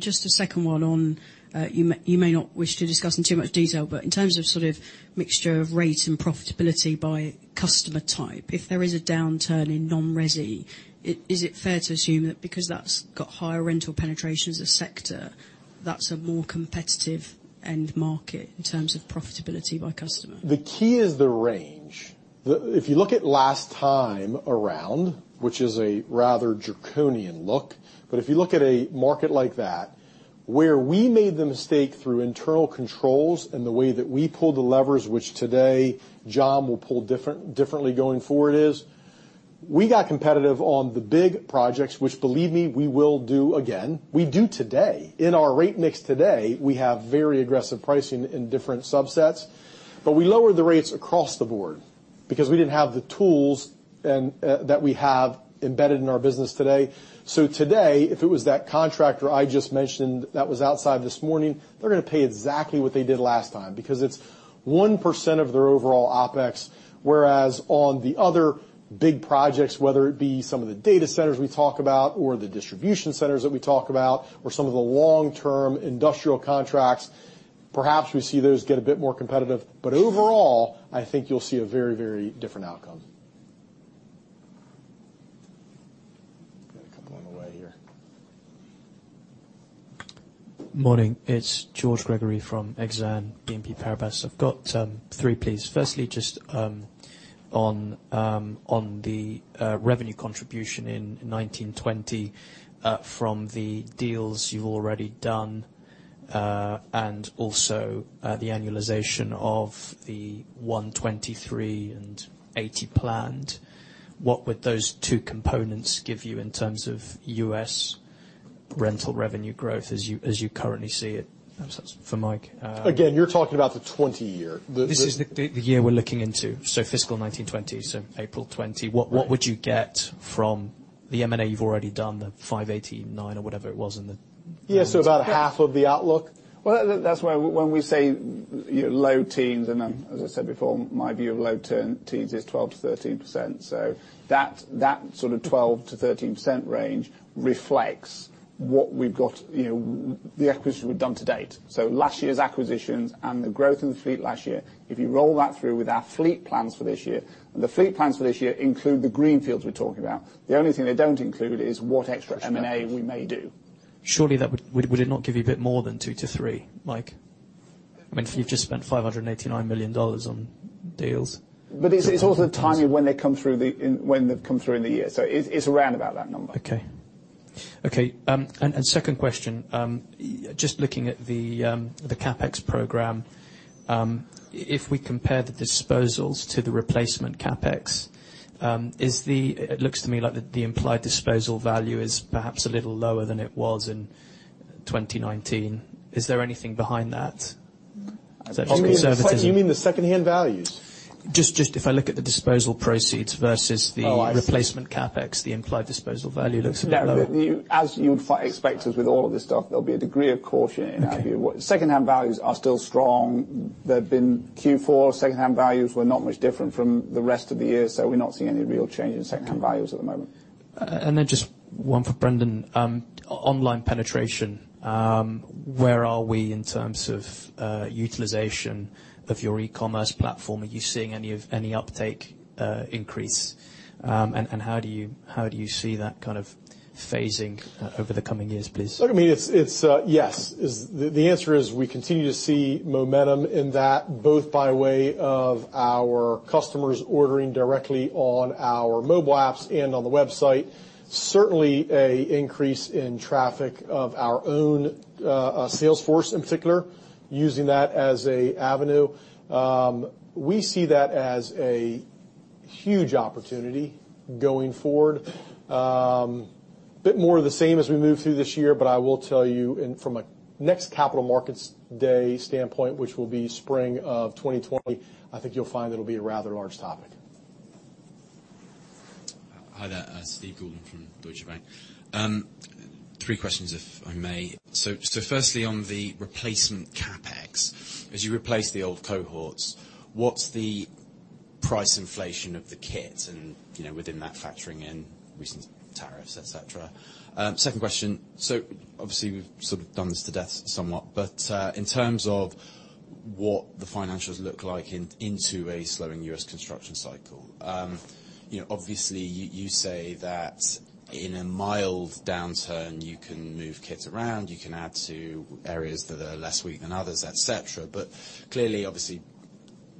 [SPEAKER 6] Just a second one on, you may not wish to discuss in too much detail, but in terms of mixture of rate and profitability by customer type, if there is a downturn in non-resi, is it fair to assume that because that's got higher rental penetration as a sector, that's a more competitive end market in terms of profitability by customer?
[SPEAKER 1] The key is the range. If you look at last time around, which is a rather draconian look, but if you look at a market like that, where we made the mistake through internal controls and the way that we pulled the levers, which today John will pull differently going forward, is we got competitive on the big projects, which believe me, we will do again. We do today. In our rate mix today, we have very aggressive pricing in different subsets, but we lowered the rates across the board because we didn't have the tools that we have embedded in our business today. Today, if it was that contractor I just mentioned that was outside this morning, they're going to pay exactly what they did last time because it's 1% of their overall OpEx. On the other big projects, whether it be some of the data centers we talk about or the distribution centers that we talk about, or some of the long-term industrial contracts, perhaps we see those get a bit more competitive. Overall, I think you'll see a very different outcome. Got a couple on the way here.
[SPEAKER 7] Morning, it's George Gregory from Exane BNP Paribas. I've got three, please. Firstly, just on the revenue contribution in 2020 from the deals you've already done, and also the annualization of the $123 and $80 planned. What would those two components give you in terms of U.S. rental revenue growth as you currently see it? Perhaps that's for Mike.
[SPEAKER 1] You're talking about the 2020 year.
[SPEAKER 7] This is the year we're looking into, so fiscal 2020, so April 2020. What would you get from the M&A you've already done, the $589 or whatever it was?
[SPEAKER 1] Yeah, about half of the outlook.
[SPEAKER 2] Well, that's why when we say low teens, and then, as I said before, my view of low teens is 12%-13%. That sort of 12%-13% range reflects the acquisitions we've done to date. Last year's acquisitions and the growth in the fleet last year. If you roll that through with our fleet plans for this year, and the fleet plans for this year include the greenfields we're talking about. The only thing they don't include is what extra M&A we may do.
[SPEAKER 7] Surely, would it not give you a bit more than 2-3, Mike? I mean, if you've just spent $589 million on deals.
[SPEAKER 2] It's also the timing when they've come through in the year. It's around about that number.
[SPEAKER 7] Okay. Second question, just looking at the CapEx program. If we compare the disposals to the replacement CapEx, it looks to me like the implied disposal value is perhaps a little lower than it was in 2019. Is there anything behind that? Is that just conservative?
[SPEAKER 1] You mean the secondhand values?
[SPEAKER 7] Just if I look at the disposal proceeds versus the-
[SPEAKER 1] Oh, I see
[SPEAKER 7] replacement CapEx, the implied disposal value looks a bit lower.
[SPEAKER 2] As you'd expect us with all of this stuff, there'll be a degree of caution in our view. Secondhand values are still strong. Q4 secondhand values were not much different from the rest of the year. We're not seeing any real change in secondhand values at the moment.
[SPEAKER 7] Just one for Brendan. Online penetration. Where are we in terms of utilization of your e-commerce platform? Are you seeing any uptake increase? How do you see that kind of phasing over the coming years, please?
[SPEAKER 1] Look, I mean, yes. The answer is we continue to see momentum in that, both by way of our customers ordering directly on our mobile apps and on the website. Certainly, an increase in traffic of our own sales force, in particular, using that as an avenue. We see that as a huge opportunity going forward. I will tell you and from a next Capital Markets Day standpoint, which will be spring of 2020, I think you'll find it'll be a rather large topic.
[SPEAKER 8] Hi there, Steve Goulden from Deutsche Bank. Three questions, if I may. Firstly, on the replacement CapEx, as you replace the old cohorts, what's the price inflation of the kit and within that, factoring in recent tariffs, et cetera. Second question. Obviously, we've sort of done this to death somewhat, in terms of what the financials look like into a slowing U.S. construction cycle. You say that in a mild downturn, you can move kits around, you can add to areas that are less weak than others, et cetera. Clearly, obviously,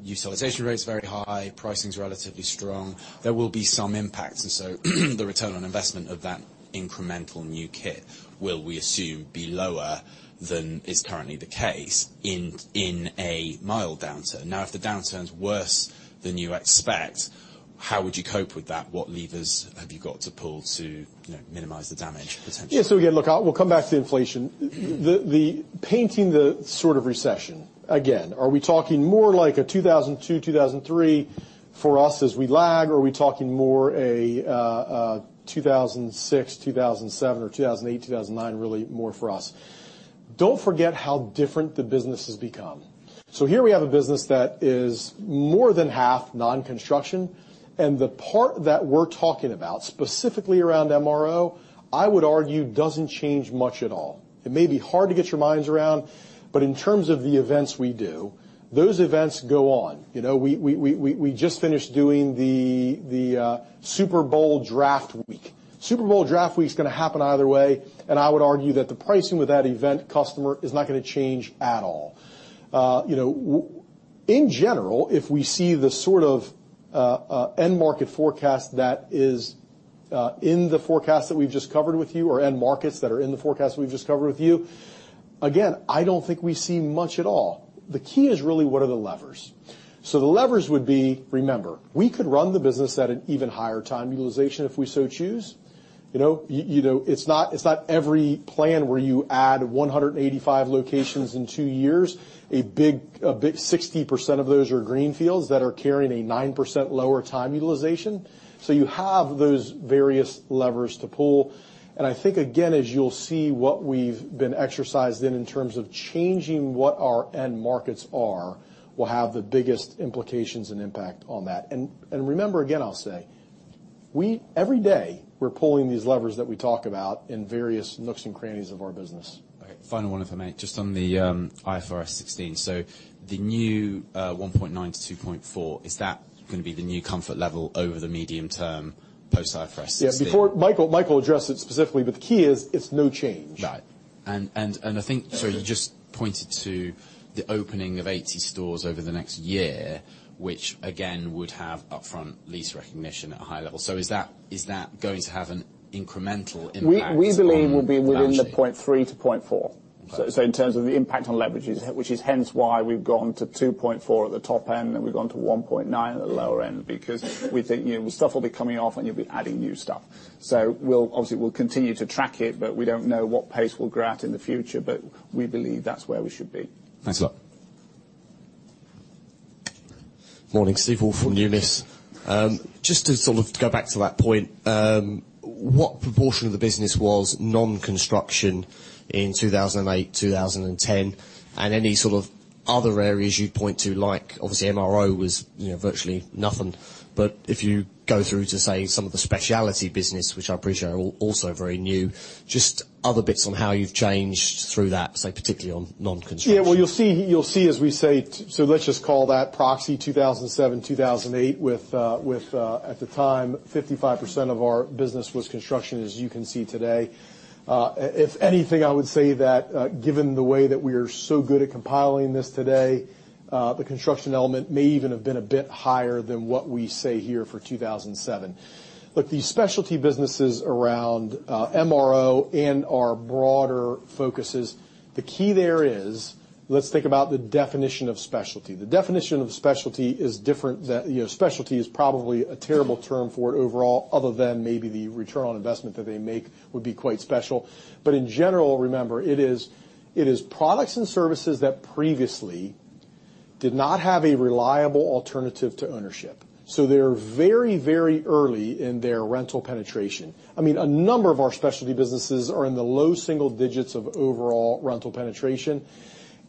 [SPEAKER 8] utilization rate's very high, pricing's relatively strong, there will be some impact. The return on investment of that incremental new kit will, we assume, be lower than is currently the case in a mild downturn. If the downturn's worse than you expect, how would you cope with that? What levers have you got to pull to minimize the damage, potentially?
[SPEAKER 1] Yeah. Again, look, we'll come back to inflation. Painting the sort of recession. Again, are we talking more like a 2002, 2003 for us as we lag, or are we talking more a 2006, 2007, or 2008, 2009, really more for us? Don't forget how different the business has become. Here we have a business that is more than half non-construction, and the part that we're talking about, specifically around MRO, I would argue doesn't change much at all. It may be hard to get your minds around, but in terms of the events we do, those events go on. We just finished doing the Super Bowl Draft Week. Super Bowl Draft Week's going to happen either way, and I would argue that the pricing with that event customer is not going to change at all. In general, if we see the sort of end market forecast that is in the forecast that we've just covered with you, or end markets that are in the forecast that we've just covered with you, again, I don't think we see much at all. The key is really, what are the levers? The levers would be, remember, we could run the business at an even higher time utilization if we so choose. It's not every plan where you add 185 locations in 2 years, 60% of those are greenfields that are carrying a 9% lower time utilization. You have those various levers to pull. I think, again, as you'll see what we've been exercised in terms of changing what our end markets are, will have the biggest implications and impact on that. Remember, again, I'll say, every day, we're pulling these levers that we talk about in various nooks and crannies of our business.
[SPEAKER 8] Okay. Final one, if I may. Just on the IFRS 16. The new 1.9-2.4, is that going to be the new comfort level over the medium term post IFRS 16?
[SPEAKER 1] Yeah. Michael addressed it specifically, but the key is it's no change.
[SPEAKER 8] Right. I think you just pointed to the opening of 80 stores over the next year, which again, would have upfront lease recognition at a high level. Is that going to have an incremental impact on the balance sheet?
[SPEAKER 2] We believe we'll be within the 0.3-0.4.
[SPEAKER 8] Right.
[SPEAKER 2] In terms of the impact on leverages, which is hence why we've gone to 2.4 at the top end, we've gone to 1.9 at the lower end, because we think stuff will be coming off and you'll be adding new stuff. Obviously, we'll continue to track it, but we don't know what pace we'll grow at in the future. We believe that's where we should be.
[SPEAKER 8] Thanks a lot.
[SPEAKER 9] Morning, Steve Hall from Numis. Just to sort of go back to that point, what proportion of the business was non-construction in 2008, 2010? Any sort of other areas you'd point to, like obviously MRO was virtually nothing. If you go through to, say, some of the specialty business, which I appreciate are all also very new, just other bits on how you've changed through that, say particularly on non-construction.
[SPEAKER 1] Yeah. Let's just call that proxy 2007, 2008 with, at the time, 55% of our business was construction, as you can see today. If anything, I would say that given the way that we are so good at compiling this today, the construction element may even have been a bit higher than what we say here for 2007. The specialty businesses around MRO and our broader focuses, the key there is, let's think about the definition of specialty. Specialty is probably a terrible term for it overall, other than maybe the return on investment that they make would be quite special. In general, remember, it is products and services that previously did not have a reliable alternative to ownership. They're very early in their rental penetration. A number of our specialty businesses are in the low single digits of overall rental penetration.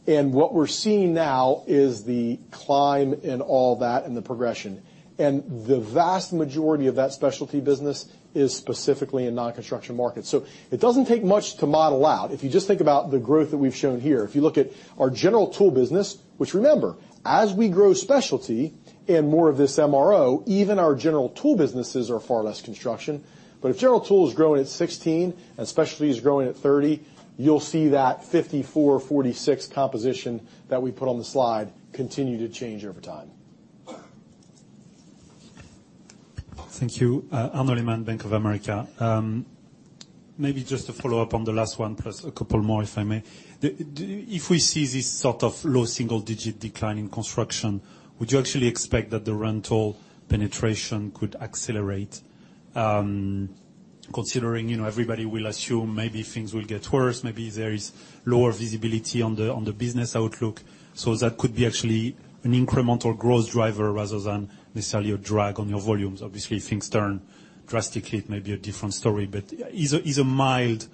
[SPEAKER 1] What we're seeing now is the climb in all that and the progression. The vast majority of that specialty business is specifically in non-construction markets. It doesn't take much to model out. If you just think about the growth that we've shown here. If you look at our general tool business, which remember, as we grow specialty and more of this MRO, even our general tool businesses are far less construction. If general tool is growing at 16 and specialty is growing at 30, you'll see that 54/46 composition that we put on the slide continue to change over time.
[SPEAKER 10] Thank you. Arnaud Lehmann, Bank of America. Maybe just to follow up on the last one, plus a couple more, if I may. If we see this sort of low single digit decline in construction, would you actually expect that the rental penetration could accelerate? Considering everybody will assume maybe things will get worse, maybe there is lower visibility on the business outlook. That could be actually an incremental growth driver rather than necessarily a drag on your volumes. Obviously, if things turn drastically, it may be a different story. Is a mild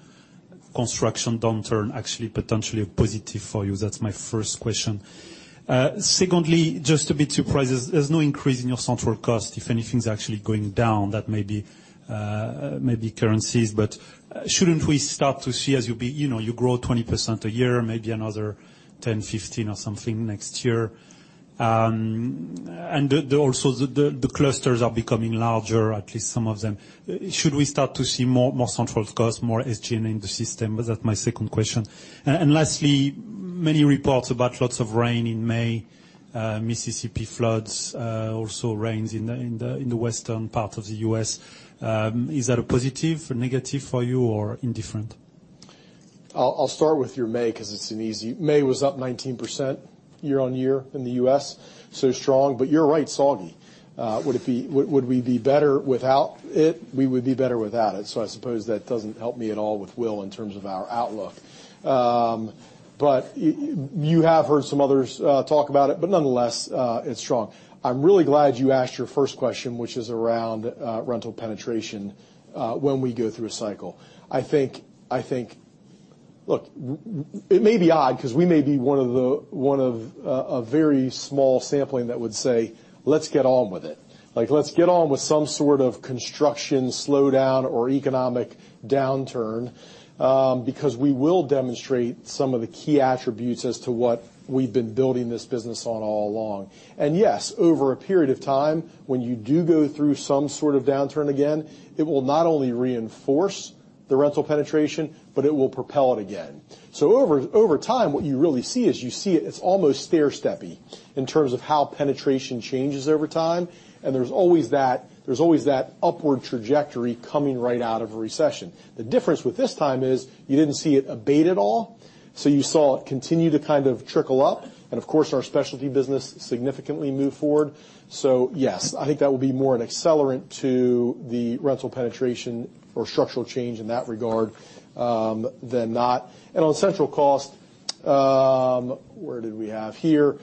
[SPEAKER 10] construction downturn actually potentially a positive for you? That's my first question. Secondly, just a bit surprised, there's no increase in your central cost. If anything's actually going down, that may be currencies. Shouldn't we start to see as you grow 20% a year, maybe another 10, 15, or something next year, and also the clusters are becoming larger, at least some of them. Should we start to see more central cost, more SG&A in the system? That's my second question. Lastly, many reports about lots of rain in May, Mississippi floods, also rains in the western part of the U.S. Is that a positive, a negative for you, or indifferent?
[SPEAKER 1] I'll start with your May, because it's an easy May was up 19% year-on-year in the U.S., so strong. You're right, soggy. Would we be better without it? We would be better without it. I suppose that doesn't help me at all with Will in terms of our outlook. You have heard some others talk about it, but nonetheless, it's strong. I'm really glad you asked your first question, which is around rental penetration when we go through a cycle. I think, look, it may be odd because we may be one of a very small sampling that would say, "Let's get on with it." Like, let's get on with some sort of construction slowdown or economic downturn, because we will demonstrate some of the key attributes as to what we've been building this business on all along. Yes, over a period of time, when you do go through some sort of downturn again, it will not only reinforce the rental penetration, but it will propel it again. Over time, what you really see is you see it's almost stairsteppy in terms of how penetration changes over time, and there's always that upward trajectory coming right out of a recession. The difference with this time is you didn't see it abate at all, you saw it continue to kind of trickle up. Of course, our specialty business significantly moved forward. Yes, I think that will be more an accelerant to the rental penetration or structural change in that regard, than not. On central cost, what did we have here?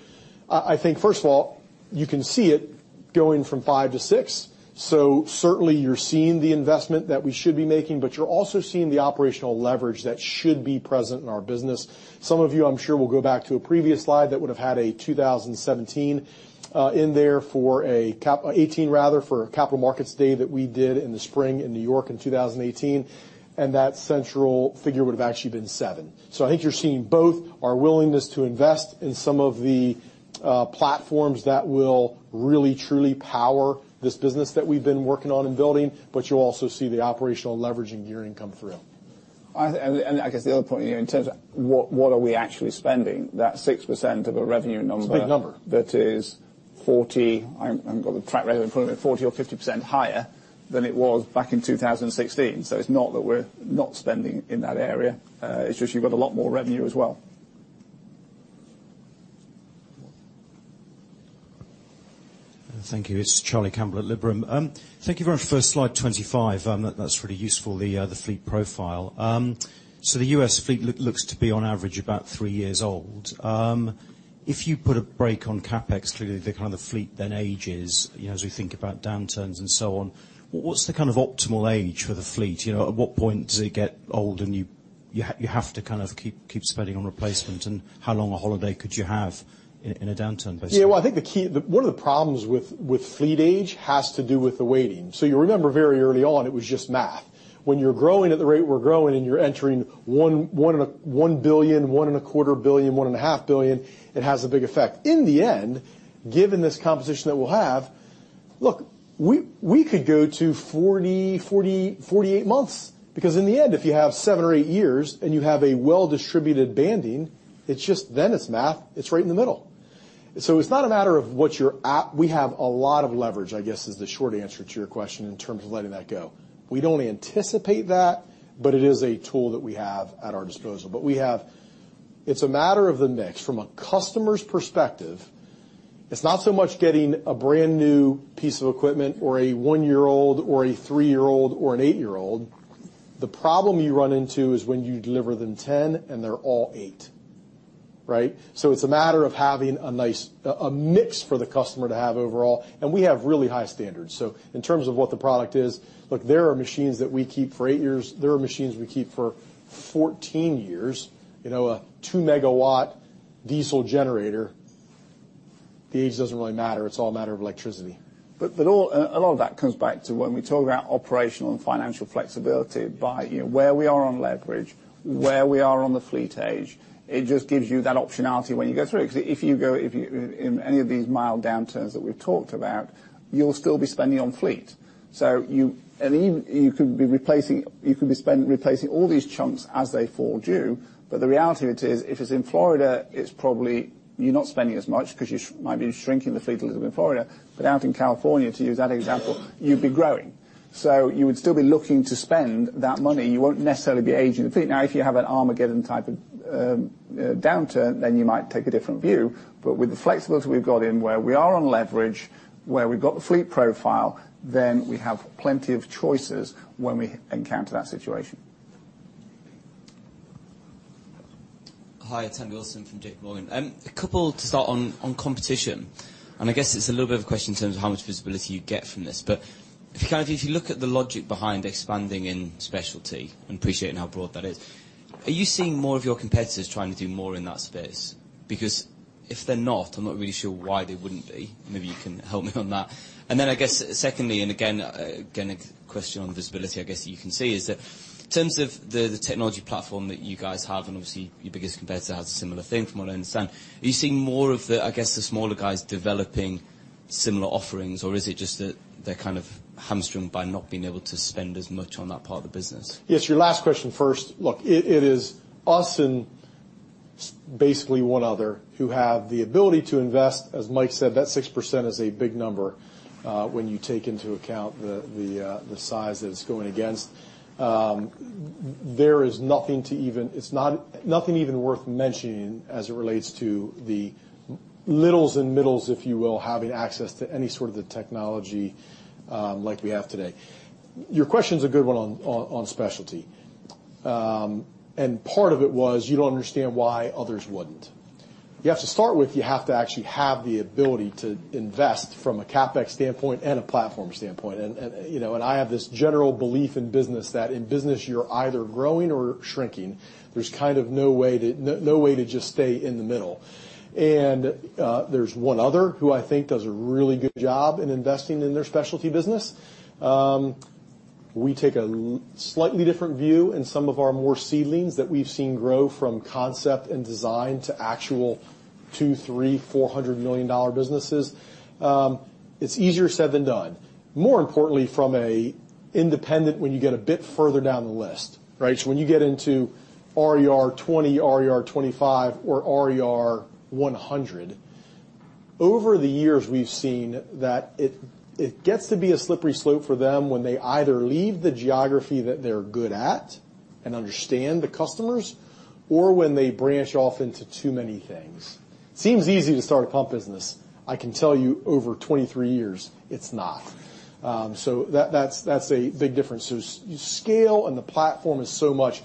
[SPEAKER 1] I think, first of all, you can see it going from five to six. Certainly, you're seeing the investment that we should be making, but you're also seeing the operational leverage that should be present in our business. Some of you, I'm sure, will go back to a previous slide that would have had a 2017 in there, 2018 rather, for a capital markets day that we did in the spring in New York in 2018. That central figure would have actually been seven. I think you're seeing both our willingness to invest in some of the platforms that will really, truly power this business that we've been working on and building, but you'll also see the operational leverage and gearing come through.
[SPEAKER 10] I guess the other point in terms of what are we actually spending, that 6% of a revenue number.
[SPEAKER 1] It's a big number.
[SPEAKER 10] that is 40, I haven't got the exact revenue in front of me, 40 or 50% higher than it was back in 2016. It's not that we're not spending in that area. It's just you've got a lot more revenue as well.
[SPEAKER 11] Thank you. It's Charlie Campbell at Liberum. Thank you very much for slide 25. That's really useful, the fleet profile. The U.S. fleet looks to be on average about three years old. If you put a brake on CapEx through the fleet, then ages as we think about downturns and so on. What's the kind of optimal age for the fleet? At what point does it get old and you have to kind of keep spending on replacement? How long a holiday could you have in a downturn, basically?
[SPEAKER 1] Well, I think one of the problems with fleet age has to do with the weighting. You remember very early on, it was just math. When you're growing at the rate we're growing and you're entering 1 billion, one and a quarter billion, one and a half billion, it has a big effect. In the end, given this composition that we'll have, look, we could go to 48 months, because in the end, if you have seven or eight years and you have a well-distributed banding, it's just then it's math, it's right in the middle. It's not a matter of what your at. We have a lot of leverage, I guess, is the short answer to your question in terms of letting that go. We'd only anticipate that, it is a tool that we have at our disposal. We have, it's a matter of the mix. From a customer's perspective, it's not so much getting a brand-new piece of equipment or a one-year-old or a three-year-old or an eight-year-old. The problem you run into is when you deliver them 10 and they're all 8, right? It's a matter of having a mix for the customer to have overall, and we have really high standards. In terms of what the product is, look, there are machines that we keep for eight years. There are machines we keep for 14 years. A two-megawatt diesel generator, the age doesn't really matter. It's all a matter of electricity.
[SPEAKER 2] A lot of that comes back to when we talk about operational and financial flexibility by where we are on leverage, where we are on the fleet age. It just gives you that optionality when you go through it. If you go in any of these mild downturns that we've talked about, you'll still be spending on fleet. You could be replacing all these chunks as they fall due. The reality of it is if it's in Florida, it's probably you're not spending as much because you might be shrinking the fleet a little bit in Florida. Out in California, to use that example, you'd be growing. You would still be looking to spend that money. You won't necessarily be aging the fleet. If you have an Armageddon type of downturn, you might take a different view. With the flexibility we've got in where we are on leverage, where we've got the fleet profile, we have plenty of choices when we encounter that situation.
[SPEAKER 12] Hi, Tammy Wilson from JP Morgan. A couple to start on competition, I guess it's a little bit of a question in terms of how much visibility you get from this. If you look at the logic behind expanding in specialty, and appreciating how broad that is, are you seeing more of your competitors trying to do more in that space? If they're not, I'm not really sure why they wouldn't be. Maybe you can help me on that. I guess secondly, again, a question on visibility, I guess you can see is that in terms of the technology platform that you guys have, obviously your biggest competitor has a similar thing from what I understand, are you seeing more of the, I guess the smaller guys developing similar offerings or is it just that they're kind of hamstringed by not being able to spend as much on that part of the business?
[SPEAKER 1] Yes, your last question first. Look, it is us and basically one other who have the ability to invest. As Mike said, that 6% is a big number, when you take into account the size that it's going against. There is nothing even worth mentioning as it relates to the littles and middles, if you will, having access to any sort of the technology like we have today. Your question's a good one on specialty. Part of it was you don't understand why others wouldn't. You have to start with, you have to actually have the ability to invest from a CapEx standpoint and a platform standpoint. I have this general belief in business that in business you're either growing or shrinking. There's kind of no way to just stay in the middle. There's one other who I think does a really good job in investing in their specialty business. We take a slightly different view in some of our more seedlings that we've seen grow from concept and design to actual $2 million, $3 million, $400 million businesses. It's easier said than done. More importantly, from a independent, when you get a bit further down the list, right? When you get into RER 20, RER 25 or RER 100, over the years we've seen that it gets to be a slippery slope for them when they either leave the geography that they're good at and understand the customers, or when they branch off into too many things. Seems easy to start a pump business. I can tell you over 23 years, it's not. That's a big difference. Scale and the platform is so much.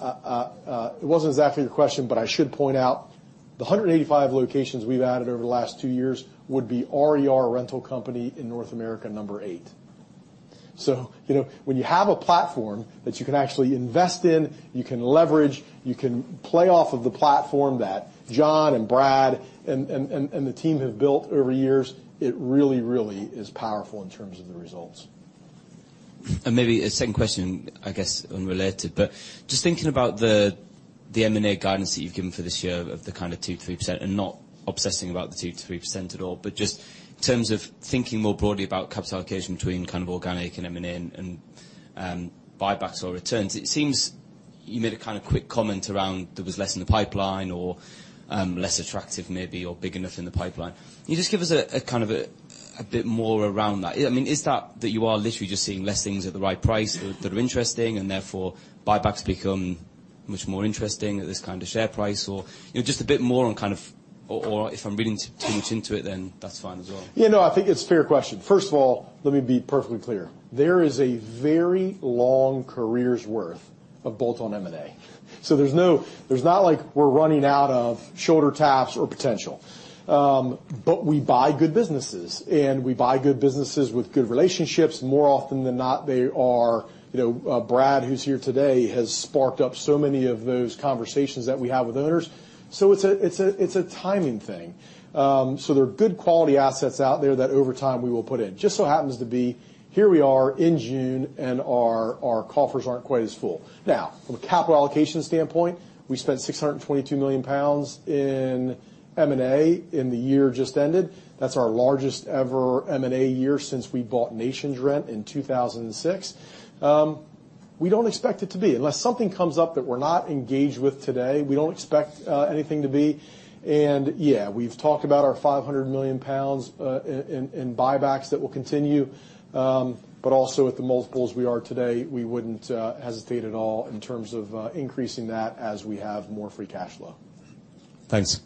[SPEAKER 1] It wasn't exactly the question, but I should point out the 185 locations we've added over the last two years would be RER rental company in North America, number eight. When you have a platform that you can actually invest in, you can leverage, you can play off of the platform that John and Brad and the team have built over years, it really, really is powerful in terms of the results.
[SPEAKER 12] Maybe a second question, I guess unrelated, but just thinking about the M&A guidance that you've given for this year of the kind of 2%, 3% and not obsessing about the 2%-3% at all, but just in terms of thinking more broadly about capital allocation between kind of organic and M&A and buybacks or returns. It seems you made a kind of quick comment around there was less in the pipeline or, less attractive maybe, or big enough in the pipeline. Can you just give us a bit more around that? Is that you are literally just seeing less things at the right price that are interesting and therefore buybacks become much more interesting at this kind of share price or? Just a bit more on kind of if I'm reading too much into it then that's fine as well.
[SPEAKER 1] Yeah, no, I think it's a fair question. First of all, let me be perfectly clear. There is a very long career's worth of bolt-on M&A. There's not like we're running out of shoulder taps or potential. We buy good businesses, and we buy good businesses with good relationships. More often than not, they are, Brad, who's here today, has sparked up so many of those conversations that we have with others. It's a timing thing. There are good quality assets out there that over time we will put in. Just so happens to be here we are in June, and our coffers aren't quite as full. Now, from a capital allocation standpoint, we spent 622 million pounds in M&A in the year just ended. That's our largest ever M&A year since we bought NationsRent in 2006. We don't expect it to be. Unless something comes up that we're not engaged with today, we don't expect anything to be. Yeah, we've talked about our 500 million pounds in buybacks that will continue. Also with the multiples we are today, we wouldn't hesitate at all in terms of increasing that as we have more free cash flow.
[SPEAKER 12] Thanks.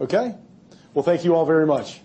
[SPEAKER 1] Okay. Well, thank you all very much.